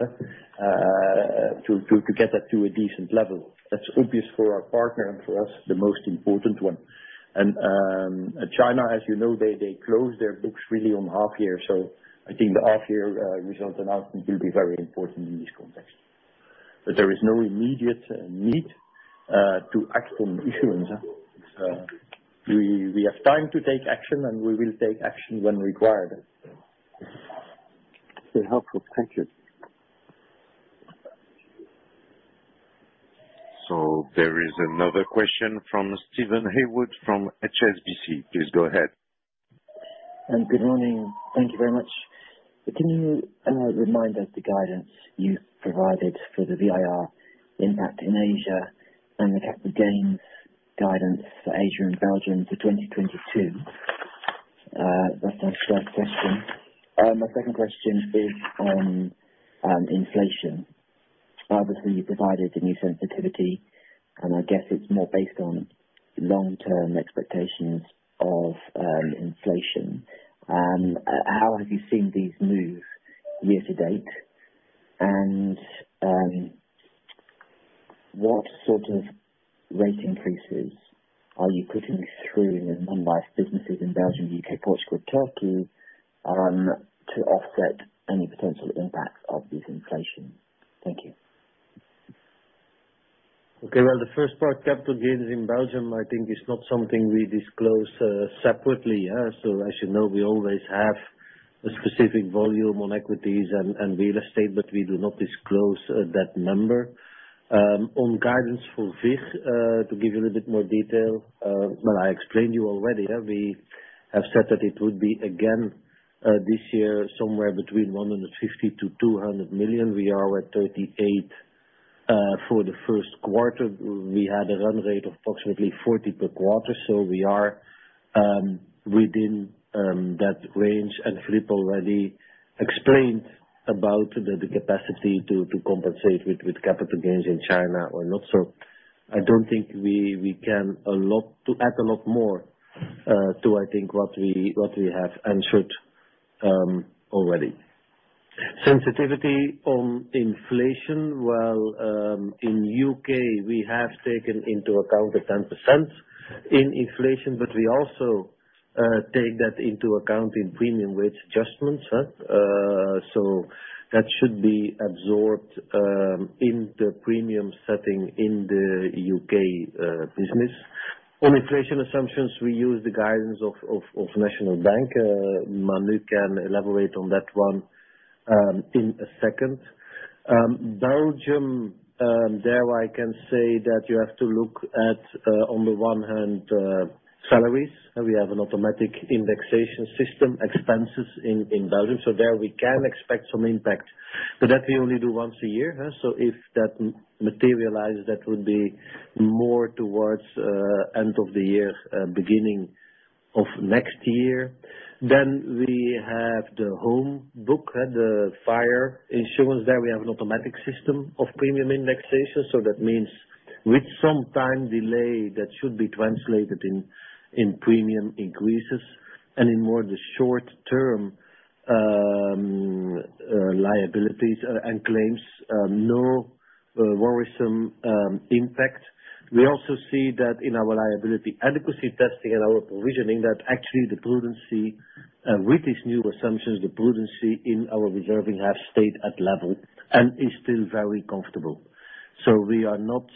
Speaker 2: to get that to a decent level. That's obvious for our partner and for us, the most important one. China, as you know, they close their books really on half year. I think the half year result announcement will be very important in this context. There is no immediate need to act on issuance. We have time to take action, and we will take action when required.
Speaker 8: Very helpful. Thank you.
Speaker 1: There is another question from Steven Haywood from HSBC. Please go ahead.
Speaker 9: Good morning, and thank you very much. Can you remind us the guidance you've provided for the VIF impact in Asia and the capital gains guidance for Asia and Belgium for 2022? That's my first question. My second question is on inflation. Obviously, you provided the new sensitivity, and I guess it's more based on long-term expectations of inflation. How have you seen these move year-to-date and what sort of rate increases are you putting through in your non-life businesses in Belgium, UK, Portugal, Turkey to offset any potential impacts of this inflation? Thank you.
Speaker 2: Okay. Well, the first part, capital gains in Belgium, I think is not something we disclose separately. As you know, we always have a specific volume on equities and real estate, but we do not disclose that number. On guidance for VIF, to give you a little bit more detail, well, I explained you already. We have said that it would be again this year somewhere between 150 million-200 million. We are at 38 million for the first quarter. We had a run rate of approximately 40 per quarter. We are within that range. Filip already explained about the capacity to compensate with capital gains in China or not. I don't think we can add a lot more to what we have answered already. Sensitivity on inflation in UK, we have taken into account the 10% in inflation, but we also take that into account in premium rate adjustments. That should be absorbed in the premium setting in the UK business. On inflation assumptions, we use the guidance of National Bank. Manu can elaborate on that one in a second. Belgium, there I can say that you have to look at on the one hand salaries. We have an automatic indexation system, expenses in Belgium. There we can expect some impact. That we only do once a year, so if that materializes, that would be more towards end of the year, beginning of next year. We have the home book, the fire insurance. There we have an automatic system of premium indexation. That means with some time delay that should be translated in premium increases and in more the short-term liabilities and claims, no worrisome impact. We also see that in our liability adequacy testing and our provisioning that actually the prudence with these new assumptions, the prudence in our reserving has stayed at level and is still very comfortable. We are not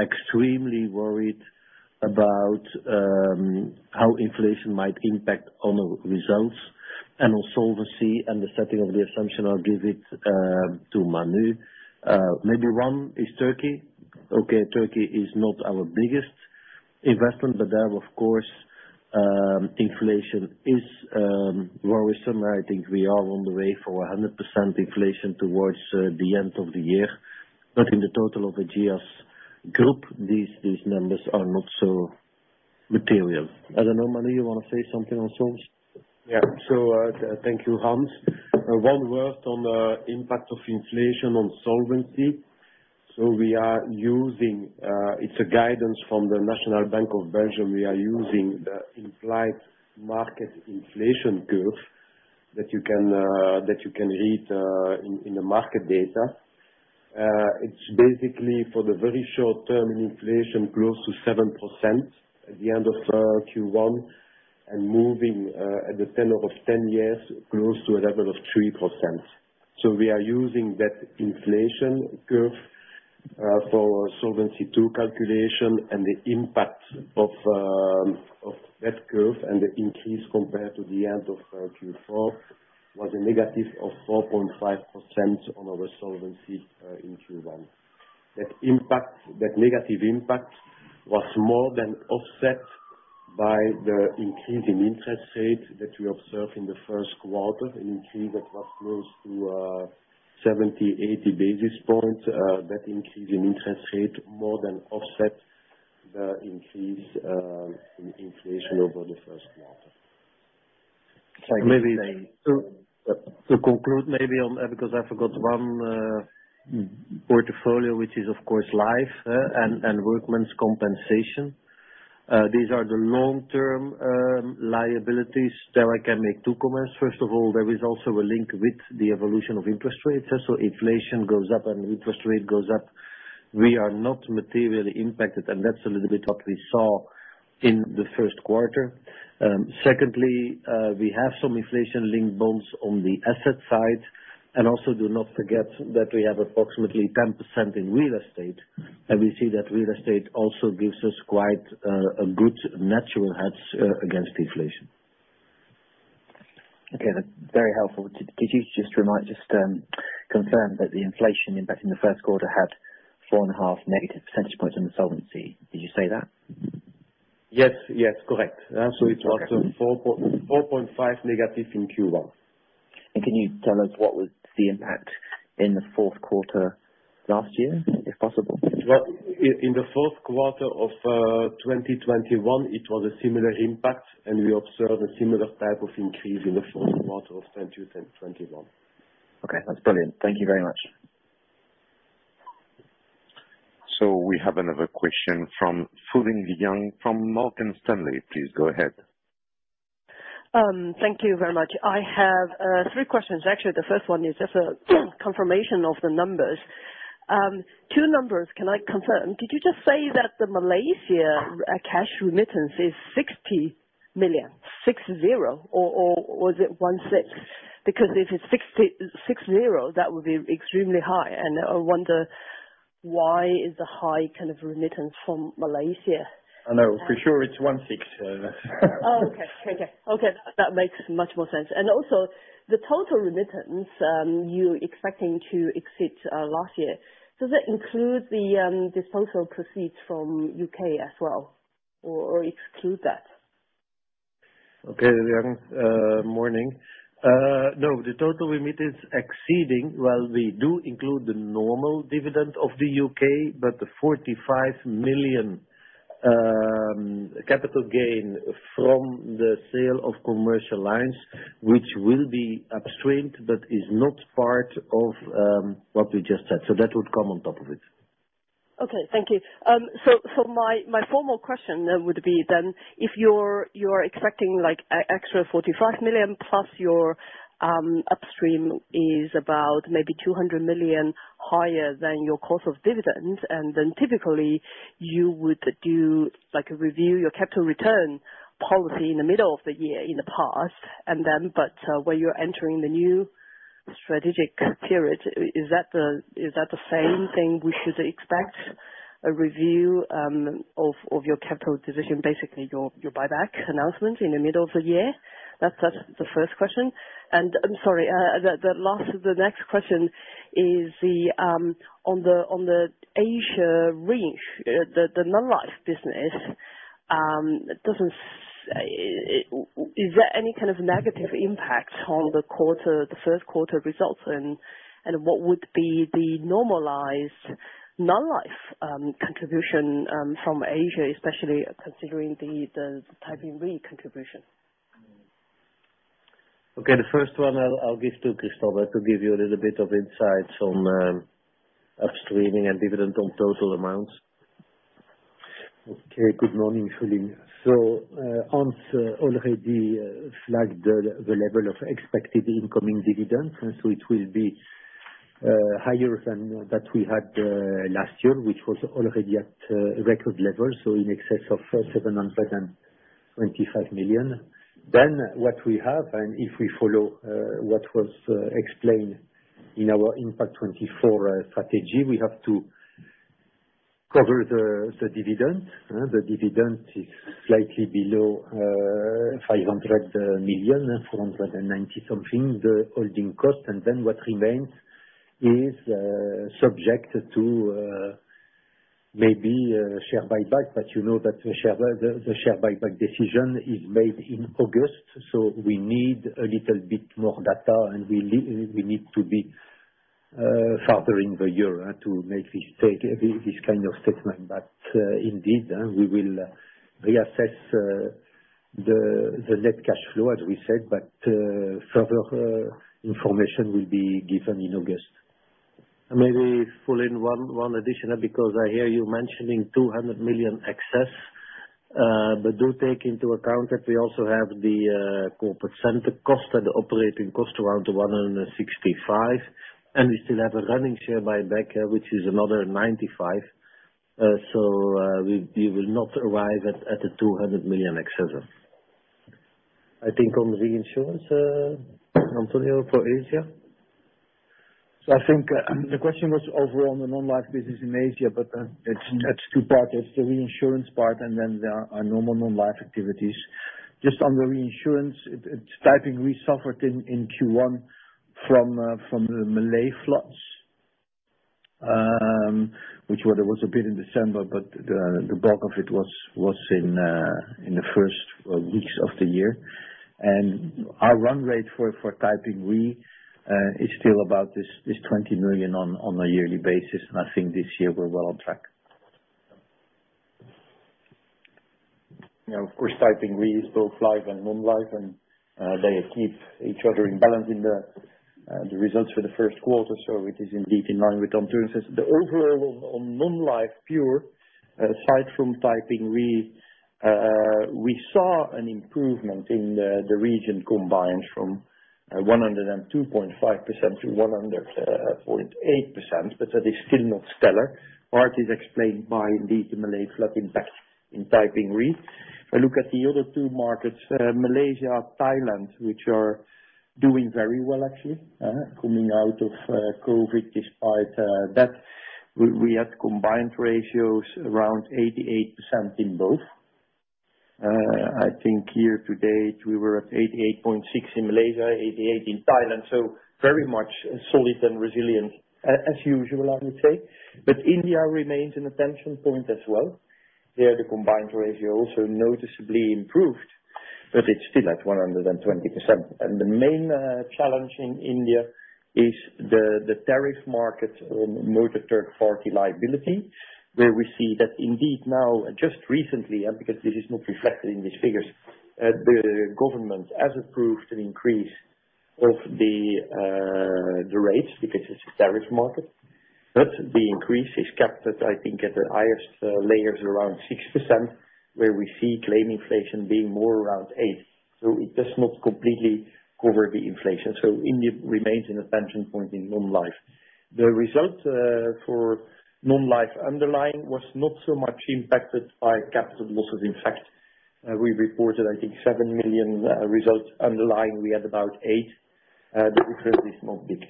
Speaker 2: extremely worried about how inflation might impact on our results and on solvency and the setting of the assumption. I'll give it to Manu. Maybe one is Turkey. Okay, Turkey is not our biggest investment, but there, of course, inflation is worrisome. I think we are on the way for 100% inflation towards the end of the year. In the total of Ageas Group, these numbers are not so material. I don't know, Manu, you want to say something on solvency?
Speaker 10: Yeah. Thank you, Hans. One word on the impact of inflation on solvency. We are using. It's guidance from the National Bank of Belgium. We are using the implied market inflation curve that you can read in the market data. It's basically for the very short-term inflation, close to 7% at the end of Q1, and moving at the tenor of 10 years, close to a level of 3%. We are using that inflation curve for our Solvency II calculation and the impact of that curve and the increase compared to the end of Q4 was a negative of 4.5% on our solvency in Q1. That impact, that negative impact was more than offset- By the increase in interest rate that we observed in the first quarter, an increase of close to 70 basis points-80 basis points. That increase in interest rate more than offset the increase in inflation over the first quarter.
Speaker 2: Maybe to conclude maybe on, because I forgot one portfolio, which is of course life and workman's compensation. These are the long-term liabilities. There I can make two comments. First of all, there is also a link with the evolution of interest rates. Inflation goes up and interest rate goes up. We are not materially impacted, and that's a little bit what we saw in the first quarter. Secondly, we have some inflation-linked bonds on the asset side, and also do not forget that we have approximately 10% in real estate. We see that real estate also gives us quite a good natural hedge against inflation.
Speaker 9: Okay, that's very helpful. Could you just remind us, confirm that the inflation impact in the first quarter had -4.5 percentage points on the solvency. Did you say that?
Speaker 2: Yes. Yes. Correct. It was -4.5% in Q1.
Speaker 9: Can you tell us what was the impact in the fourth quarter last year, if possible?
Speaker 2: Well, in the fourth quarter of 2021, it was a similar impact, and we observed a similar type of increase in the fourth quarter of 2021.
Speaker 9: Okay, that's brilliant. Thank you very much.
Speaker 1: We have another question from Fulin Liang from Morgan Stanley. Please go ahead.
Speaker 11: Thank you very much. I have three questions. Actually, the first one is just a confirmation of the numbers. Two numbers, can I confirm, did you just say that the Malaysia cash remittance is 60 million? 60 or was it 16? Because if it's 60, that would be extremely high. I wonder why is the high kind of remittance from Malaysia?
Speaker 2: No. For sure it's 16.
Speaker 11: Oh, okay. That makes much more sense. Also, the total remittance, you're expecting to exceed last year. Does that include the disposal proceeds from UK as well, or exclude that?
Speaker 2: Okay, Fulin Liang. Morning. No, the total remittance exceeding, well, we do include the normal dividend of the UK, but the 45 million capital gain from the sale of commercial lines, which will be upstreamed but is not part of what we just said. That would come on top of it.
Speaker 11: Okay. Thank you. My formal question would be if you're expecting like extra 45 million plus your upstream is about maybe 200 million higher than your cost of dividends. Typically you would do like a review your capital return policy in the middle of the year in the past. Where you're entering the new strategic period, is that the same thing we should expect? A review of your capital decision, basically your buyback announcement in the middle of the year? That's the first question. I'm sorry, the next question is on the Asia region, the non-life business. Is there any kind of negative impact on the first quarter results and what would be the normalized non-life contribution from Asia especially considering the Taiping Re contribution?
Speaker 2: Okay, the first one I'll give to Christopher to give you a little bit of insights on upstreaming and dividend on total amounts.
Speaker 3: Okay, good morning, Fulin Liang. Hans already flagged the level of expected incoming dividends, and it will be higher than what we had last year, which was already at record levels, in excess of 725 million. What we have, if we follow what was explained in our Impact24 strategy, we have to cover the dividend. The dividend is slightly below 500 million, 490 million-something, the holding cost. What remains is subject to maybe share buyback. You know that the share buyback decision is made in August, so we need a little bit more data, and we need to be farther in the year to make this kind of statement. Indeed, we will reassess the net cash flow, as we said, but further information will be given in August.
Speaker 2: Maybe Fulin Liang, one additional, because I hear you mentioning 200 million excess. But do take into account that we also have the corporate center cost and the operating cost around 165 million. We still have a running share buyback, which is another 95 million. We will not arrive at the 200 million excess.
Speaker 3: I think on reinsurance, Antonio for Asia.
Speaker 5: I think the question was overall on the non-life business in Asia, but it's two parts. There's the reinsurance part, and then there are normal non-life activities. Just on the reinsurance, it's Taiping we suffered in Q1 from the Malaysia floods.
Speaker 12: which was, there was a bit in December, but the bulk of it was in the first weeks of the year. Our run rate for Taiping Re is still about this 20 million on a yearly basis, and I think this year we're well on track. Now, of course, Taiping Re is both life and non-life, and they keep each other in balance in the results for the first quarter, so which is indeed in line with. The overall on non-life pure, aside from Taiping Re, we saw an improvement in the region combined from 102.5%-100.8%, but that is still not stellar. Part is explained by the Malaysia impact in Taiping Re. If I look at the other two markets, Malaysia, Thailand, which are doing very well, actually, coming out of COVID, despite that we had combined ratios around 88% in both. I think year to date, we were at 88.6 in Malaysia, 88 in Thailand, so very much solid and resilient as usual, I would say. India remains an attention point as well. There, the combined ratio also noticeably improved, but it's still at 120%. The main challenge in India is the tariff market on motor third party liability, where we see that indeed now, just recently, because this is not reflected in these figures, the government has approved an increase of the rates, because it's a tariff market. The increase is capped at, I think at the highest, layers around 6%, where we see claim inflation being more around 8%. It does not completely cover the inflation. India remains an attention point in non-life. The result, for non-life underlying was not so much impacted by capital losses, in fact. We reported, I think, 7 million, results underlying, we had about 8 million. The difference is not big.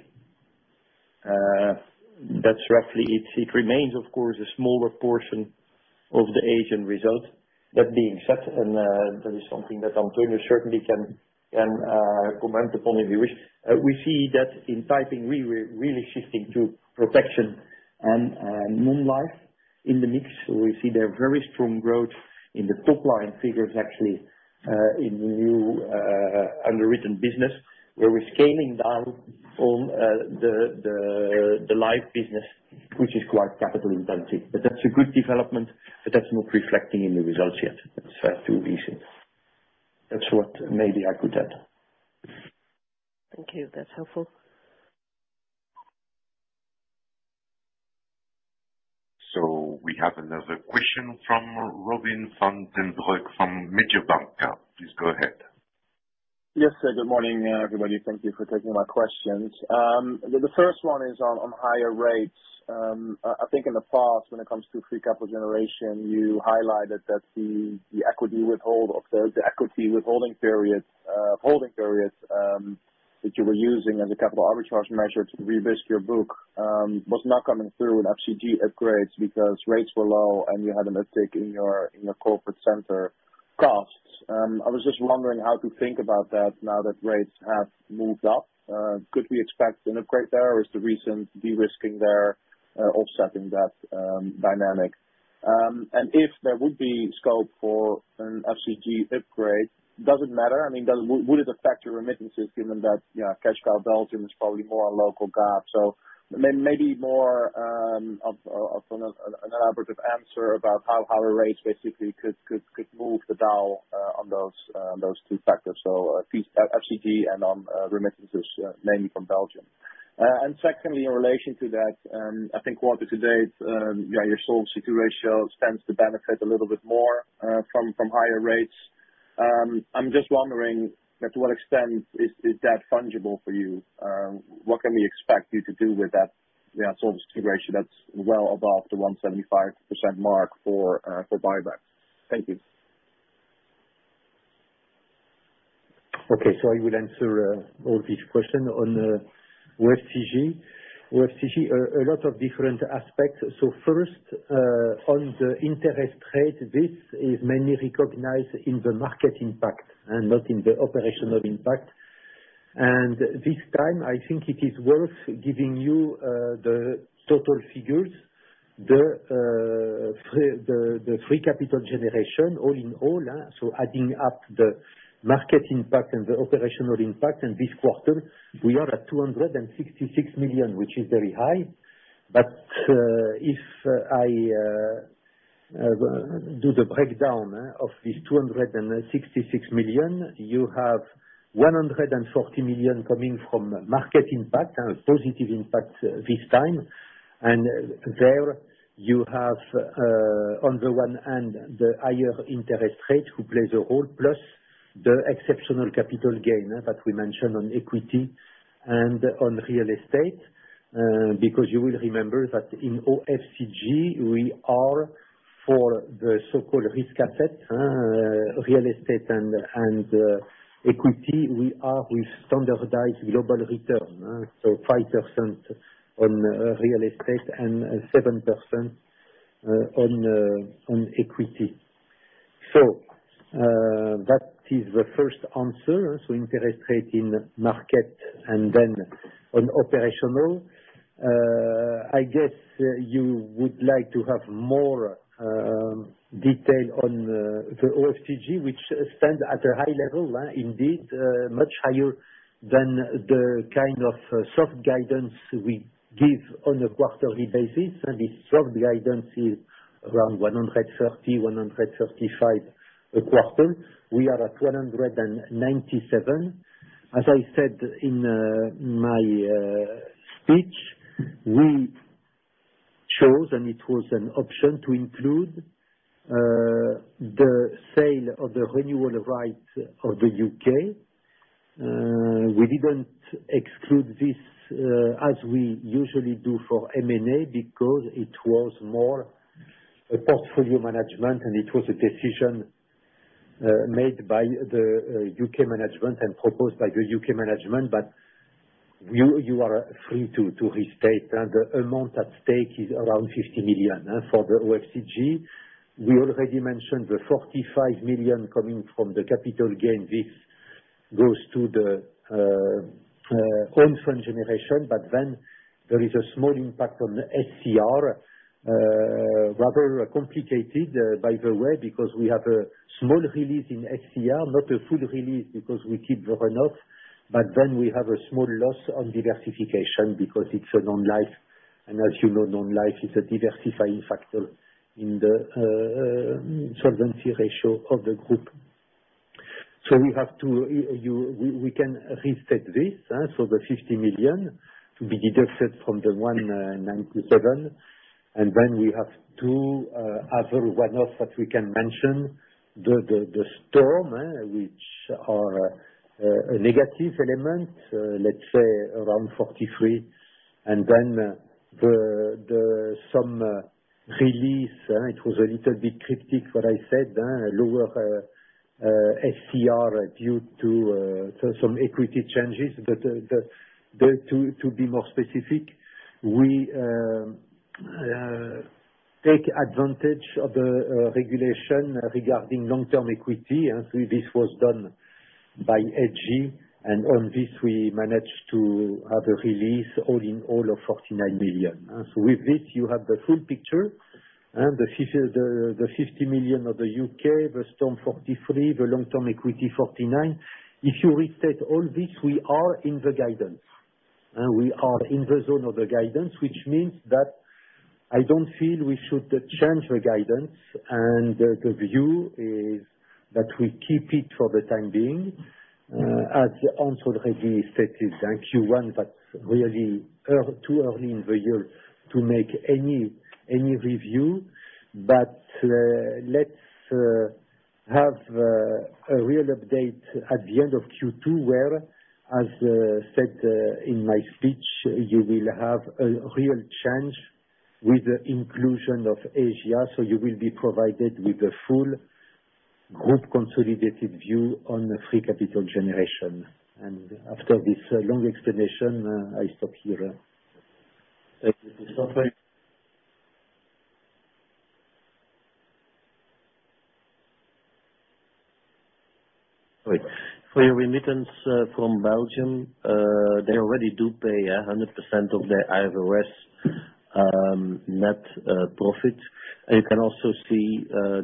Speaker 12: That's roughly it. It remains, of course, a smaller portion of the Asian result. That being said, and, that is something that Antonio certainly can comment upon if you wish.
Speaker 5: We see that in Taiping Re, we're really shifting to protection and, non-life in the mix. We see their very strong growth in the top line figures actually in new underwritten business, where we're scaling down on the life business, which is quite capital intensive. That's a good development, but that's not reflecting in the results yet. That's for two reasons. That's what maybe I could add.
Speaker 11: Thank you. That's helpful.
Speaker 1: We have another question from Robin van den Broek from Mediobanca. Please go ahead.
Speaker 13: Yes. Good morning, everybody. Thank you for taking my questions. The first one is on higher rates. I think in the past when it comes to free capital generation, you highlighted that the equity withholding period holding periods that you were using as a capital arbitrage measure to revise your book was not coming through in FCG upgrades because rates were low and you had an uptick in your corporate center costs. I was just wondering how to think about that now that rates have moved up. Could we expect an upgrade there, or is the recent de-risking there offsetting that dynamic? And if there would be scope for an FCG upgrade, does it matter? I mean, would it affect your remittances given that, you know, cash cow Belgium is probably more a local gap. Maybe more of an elaborate answer about how a raise basically could move the dial on those two factors. FCG and on remittances, mainly from Belgium. Secondly, in relation to that, I think quarter to date, your Solvency ratio stands to benefit a little bit more from higher rates. I'm just wondering to what extent is that fungible for you? What can we expect you to do with that, you know, Solvency ratio that's well above the 175% mark for buyback? Thank you.
Speaker 12: Okay. I will answer all these question. On OFCG, a lot of different aspects. First, on the interest rate, this is mainly recognized in the market impact and not in the operational impact. This time, I think it is worth giving you the total figures. The free capital generation all in all, so adding up the market impact and the operational impact in this quarter, we are at 266 million, which is very high. If I do the breakdown of this 266 million, you have 140 million coming from market impact, positive impact this time. There you have, on the one hand, the higher interest rate who plays a role, plus the exceptional capital gain that we mentioned on equity and on real estate. Because you will remember that in OFCG we are for the so-called risk asset, real estate and equity, we are with standardized global return. 5% on real estate and 7% on equity. That is the first answer, interest rate in market and then on operational. I guess you would like to have more detail on the OFCG, which stands at a high level, indeed, much higher than the kind of soft guidance we give on a quarterly basis, and this soft guidance is around 130-135 a quarter. We are at 197. As I said in my speech, we chose, and it was an option, to include the sale of the renewal rights of the UK. We didn't exclude this, as we usually do for M&A because it was more a portfolio management, and it was a decision made by the UK management and proposed by the UK management. You are free to restate. The amount at stake is around 50 million for the OFCG. We already mentioned the 45 million coming from the capital gains. This goes to the in-force generation. There is a small impact on SCR, rather complicated by the way, because we have a small release in SCR, not a full release, because we keep the runoff. We have a small loss on diversification because it's a non-life, and as you know, non-life is a diversifying factor in the solvency ratio of the group. We can restate this, so the 50 million to be deducted from the 197. We have two other one-offs that we can mention. The storm which is a negative element, let's say around 43. The release, it was a little bit cryptic what I said, lower SCR due to some equity changes. To be more specific, we take advantage of the regulation regarding long-term equity, and so this was done by AG, and on this we managed to have a release all in all of 49 million. With this you have the full picture, and the 50 million of the UK, the storm 43 million, the long-term equity 49 million. If you restate all this, we are in the guidance. We are in the zone of the guidance, which means that I don't feel we should change the guidance. The view is that we keep it for the time being, as Antonio already stated, Q1, but really too early in the year to make any review. Let's have a real update at the end of Q2, where, as said, in my speech, you will have a real change with the inclusion of Asia. You will be provided with a full group consolidated view on free capital generation. After this long explanation, I stop here.
Speaker 2: Thank you, Christopher.
Speaker 3: Wait. For your remittance from Belgium, they already do pay 100% of their IFRS net profit. You can also see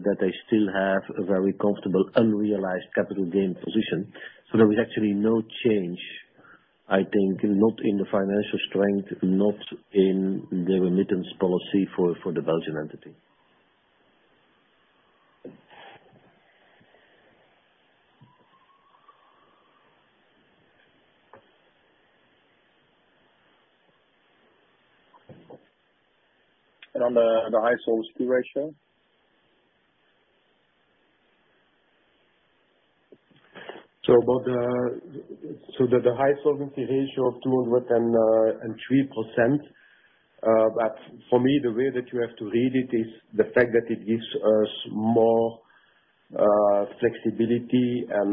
Speaker 3: that they still have a very comfortable unrealized capital gain position. There is actually no change, I think, not in the financial strength, not in the remittance policy for the Belgian entity.
Speaker 2: On the high solvency ratio.
Speaker 3: About the high solvency ratio of 203%, but for me, the way that you have to read it is the fact that it gives us more flexibility and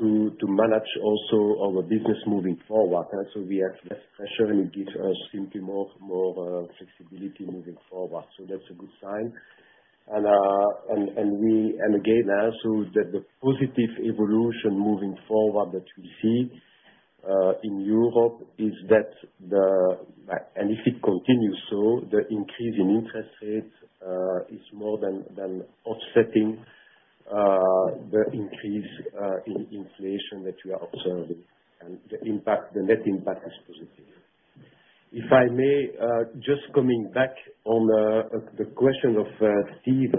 Speaker 3: to manage also our business moving forward. We are actually ensuring it gives us simply more flexibility moving forward. That's a good sign. Again, also that the positive evolution moving forward that we see in Europe is that if it continues so, the increase in interest rates is more than offsetting the increase in inflation that we are observing. The net impact is positive.
Speaker 5: If I may, just coming back on the question of Steve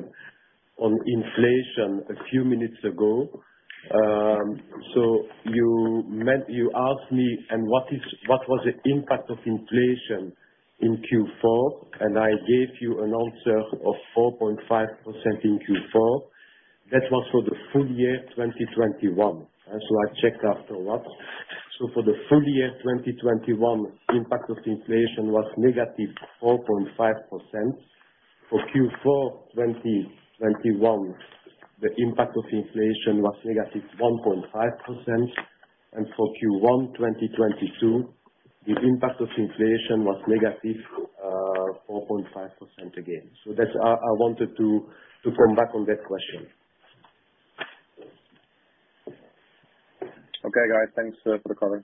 Speaker 5: on inflation a few minutes ago. You asked me, "And what is, what was the impact of inflation in Q4?" I gave you an answer of 4.5% in Q4. That was for the full year 2021. I checked afterwards. For the full year 2021, impact of inflation was negative 4.5%. For Q4 2021, the impact of inflation was negative 1.5%. For Q1 2022 The impact of inflation was negative 4.5% again. That's, I wanted to come back on that question.
Speaker 13: Okay, guys. Thanks, for the call.
Speaker 1: Okay.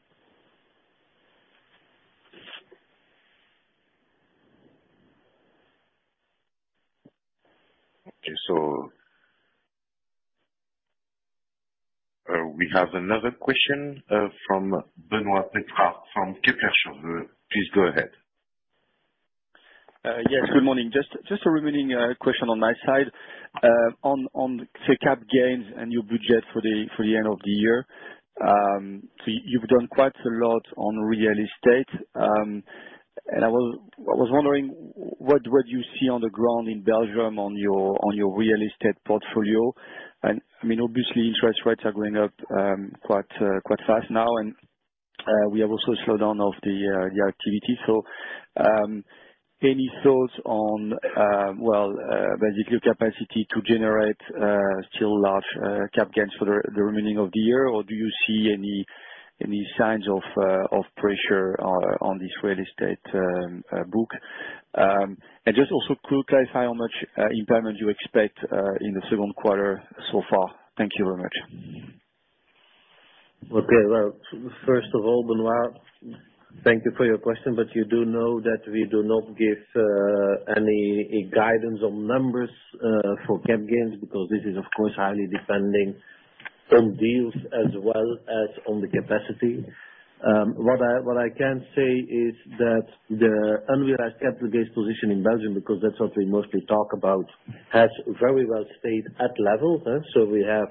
Speaker 1: We have another question from Benoit Petrarque from Kepler Cheuvreux. Please go ahead.
Speaker 14: Yes. Good morning. Just a remaining question on my side. On the cap gains and your budget for the end of the year. You've done quite a lot on real estate. I was wondering what you see on the ground in Belgium on your real estate portfolio. I mean, obviously, interest rates are going up quite fast now. We have also slowdown of the activity. Any thoughts on, well, basically capacity to generate still large cap gains for the remaining of the year? Or do you see any signs of pressure on this real estate book? Just also to clarify how much impairment you expect in the second quarter so far. Thank you very much.
Speaker 2: Okay. Well, first of all, Benoit, thank you for your question. You do know that we do not give any guidance on numbers for cap gains because this is of course highly depending on deals as well as on the capacity. What I can say is that the unrealized capital gains position in Belgium, because that's what we mostly talk about, has very well stayed at level. We have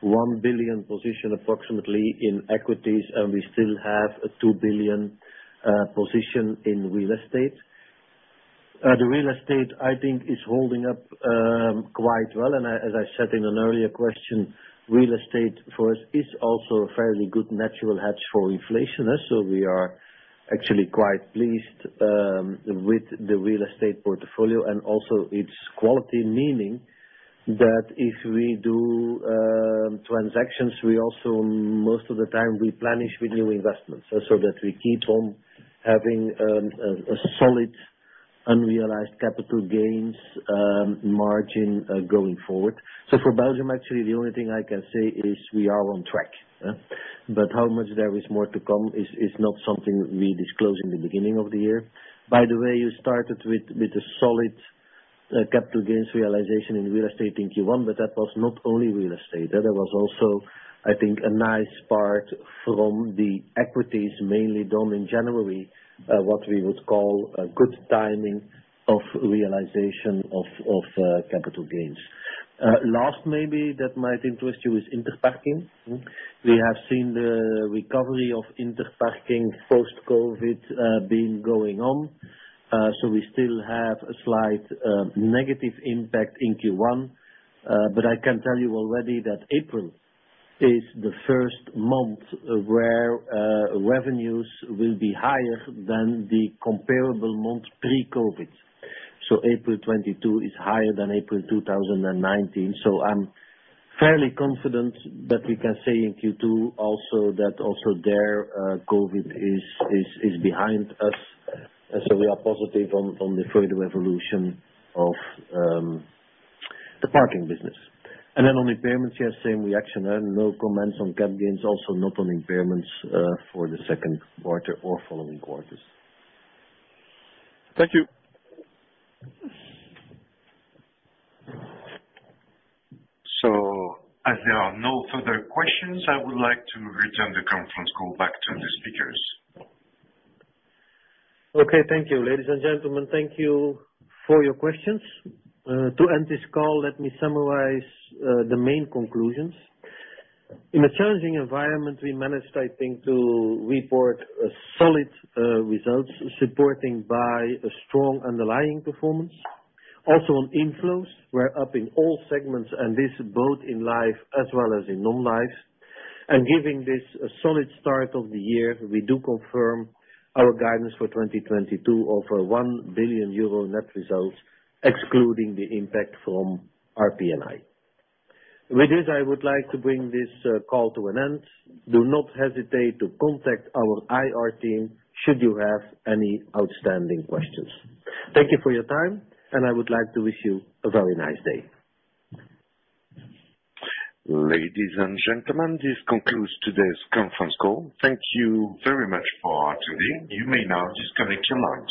Speaker 2: 1 billion position approximately in equities, and we still have a 2 billion position in real estate. The real estate, I think is holding up quite well. As I said in an earlier question, real estate for us is also a fairly good natural hedge for inflation. We are actually quite pleased with the real estate portfolio and also its quality, meaning that if we do transactions, we also most of the time replenish with new investments, so that we keep on having a solid unrealized capital gains margin going forward. For Belgium, actually the only thing I can say is we are on track. How much there is more to come is not something we disclose in the beginning of the year. By the way, you started with a solid capital gains realization in real estate in Q1, but that was not only real estate. There was also, I think, a nice part from the equities mainly done in January, what we would call a good timing of realization of capital gains. Last maybe that might interest you is Interparking. We have seen the recovery of Interparking post-COVID been going on, so we still have a slight negative impact in Q1. I can tell you already that April is the first month where revenues will be higher than the comparable month pre-COVID. April 2022 is higher than April 2019. I'm fairly confident that we can say in Q2 also that there COVID is behind us. We are positive on the further evolution of the parking business. Then on impairments, yes, same reaction. No comments on cap gains, also not on impairments, for the second quarter or following quarters.
Speaker 14: Thank you.
Speaker 1: As there are no further questions, I would like to return the conference call back to the speakers.
Speaker 2: Okay. Thank you. Ladies and gentlemen, thank you for your questions. To end this call, let me summarize the main conclusions. In a challenging environment, we managed, I think, to report a solid results supported by a strong underlying performance. Also on inflows, we're up in all segments, and this both in life as well as in non-life. Giving this a solid start of the year, we do confirm our guidance for 2022 over 1 billion euro net results, excluding the impact from RPNI. With this, I would like to bring this call to an end. Do not hesitate to contact our IR team should you have any outstanding questions. Thank you for your time and I would like to wish you a very nice day.
Speaker 1: Ladies and gentlemen, this concludes today's conference call. Thank you very much for attending. You may now disconnect your lines.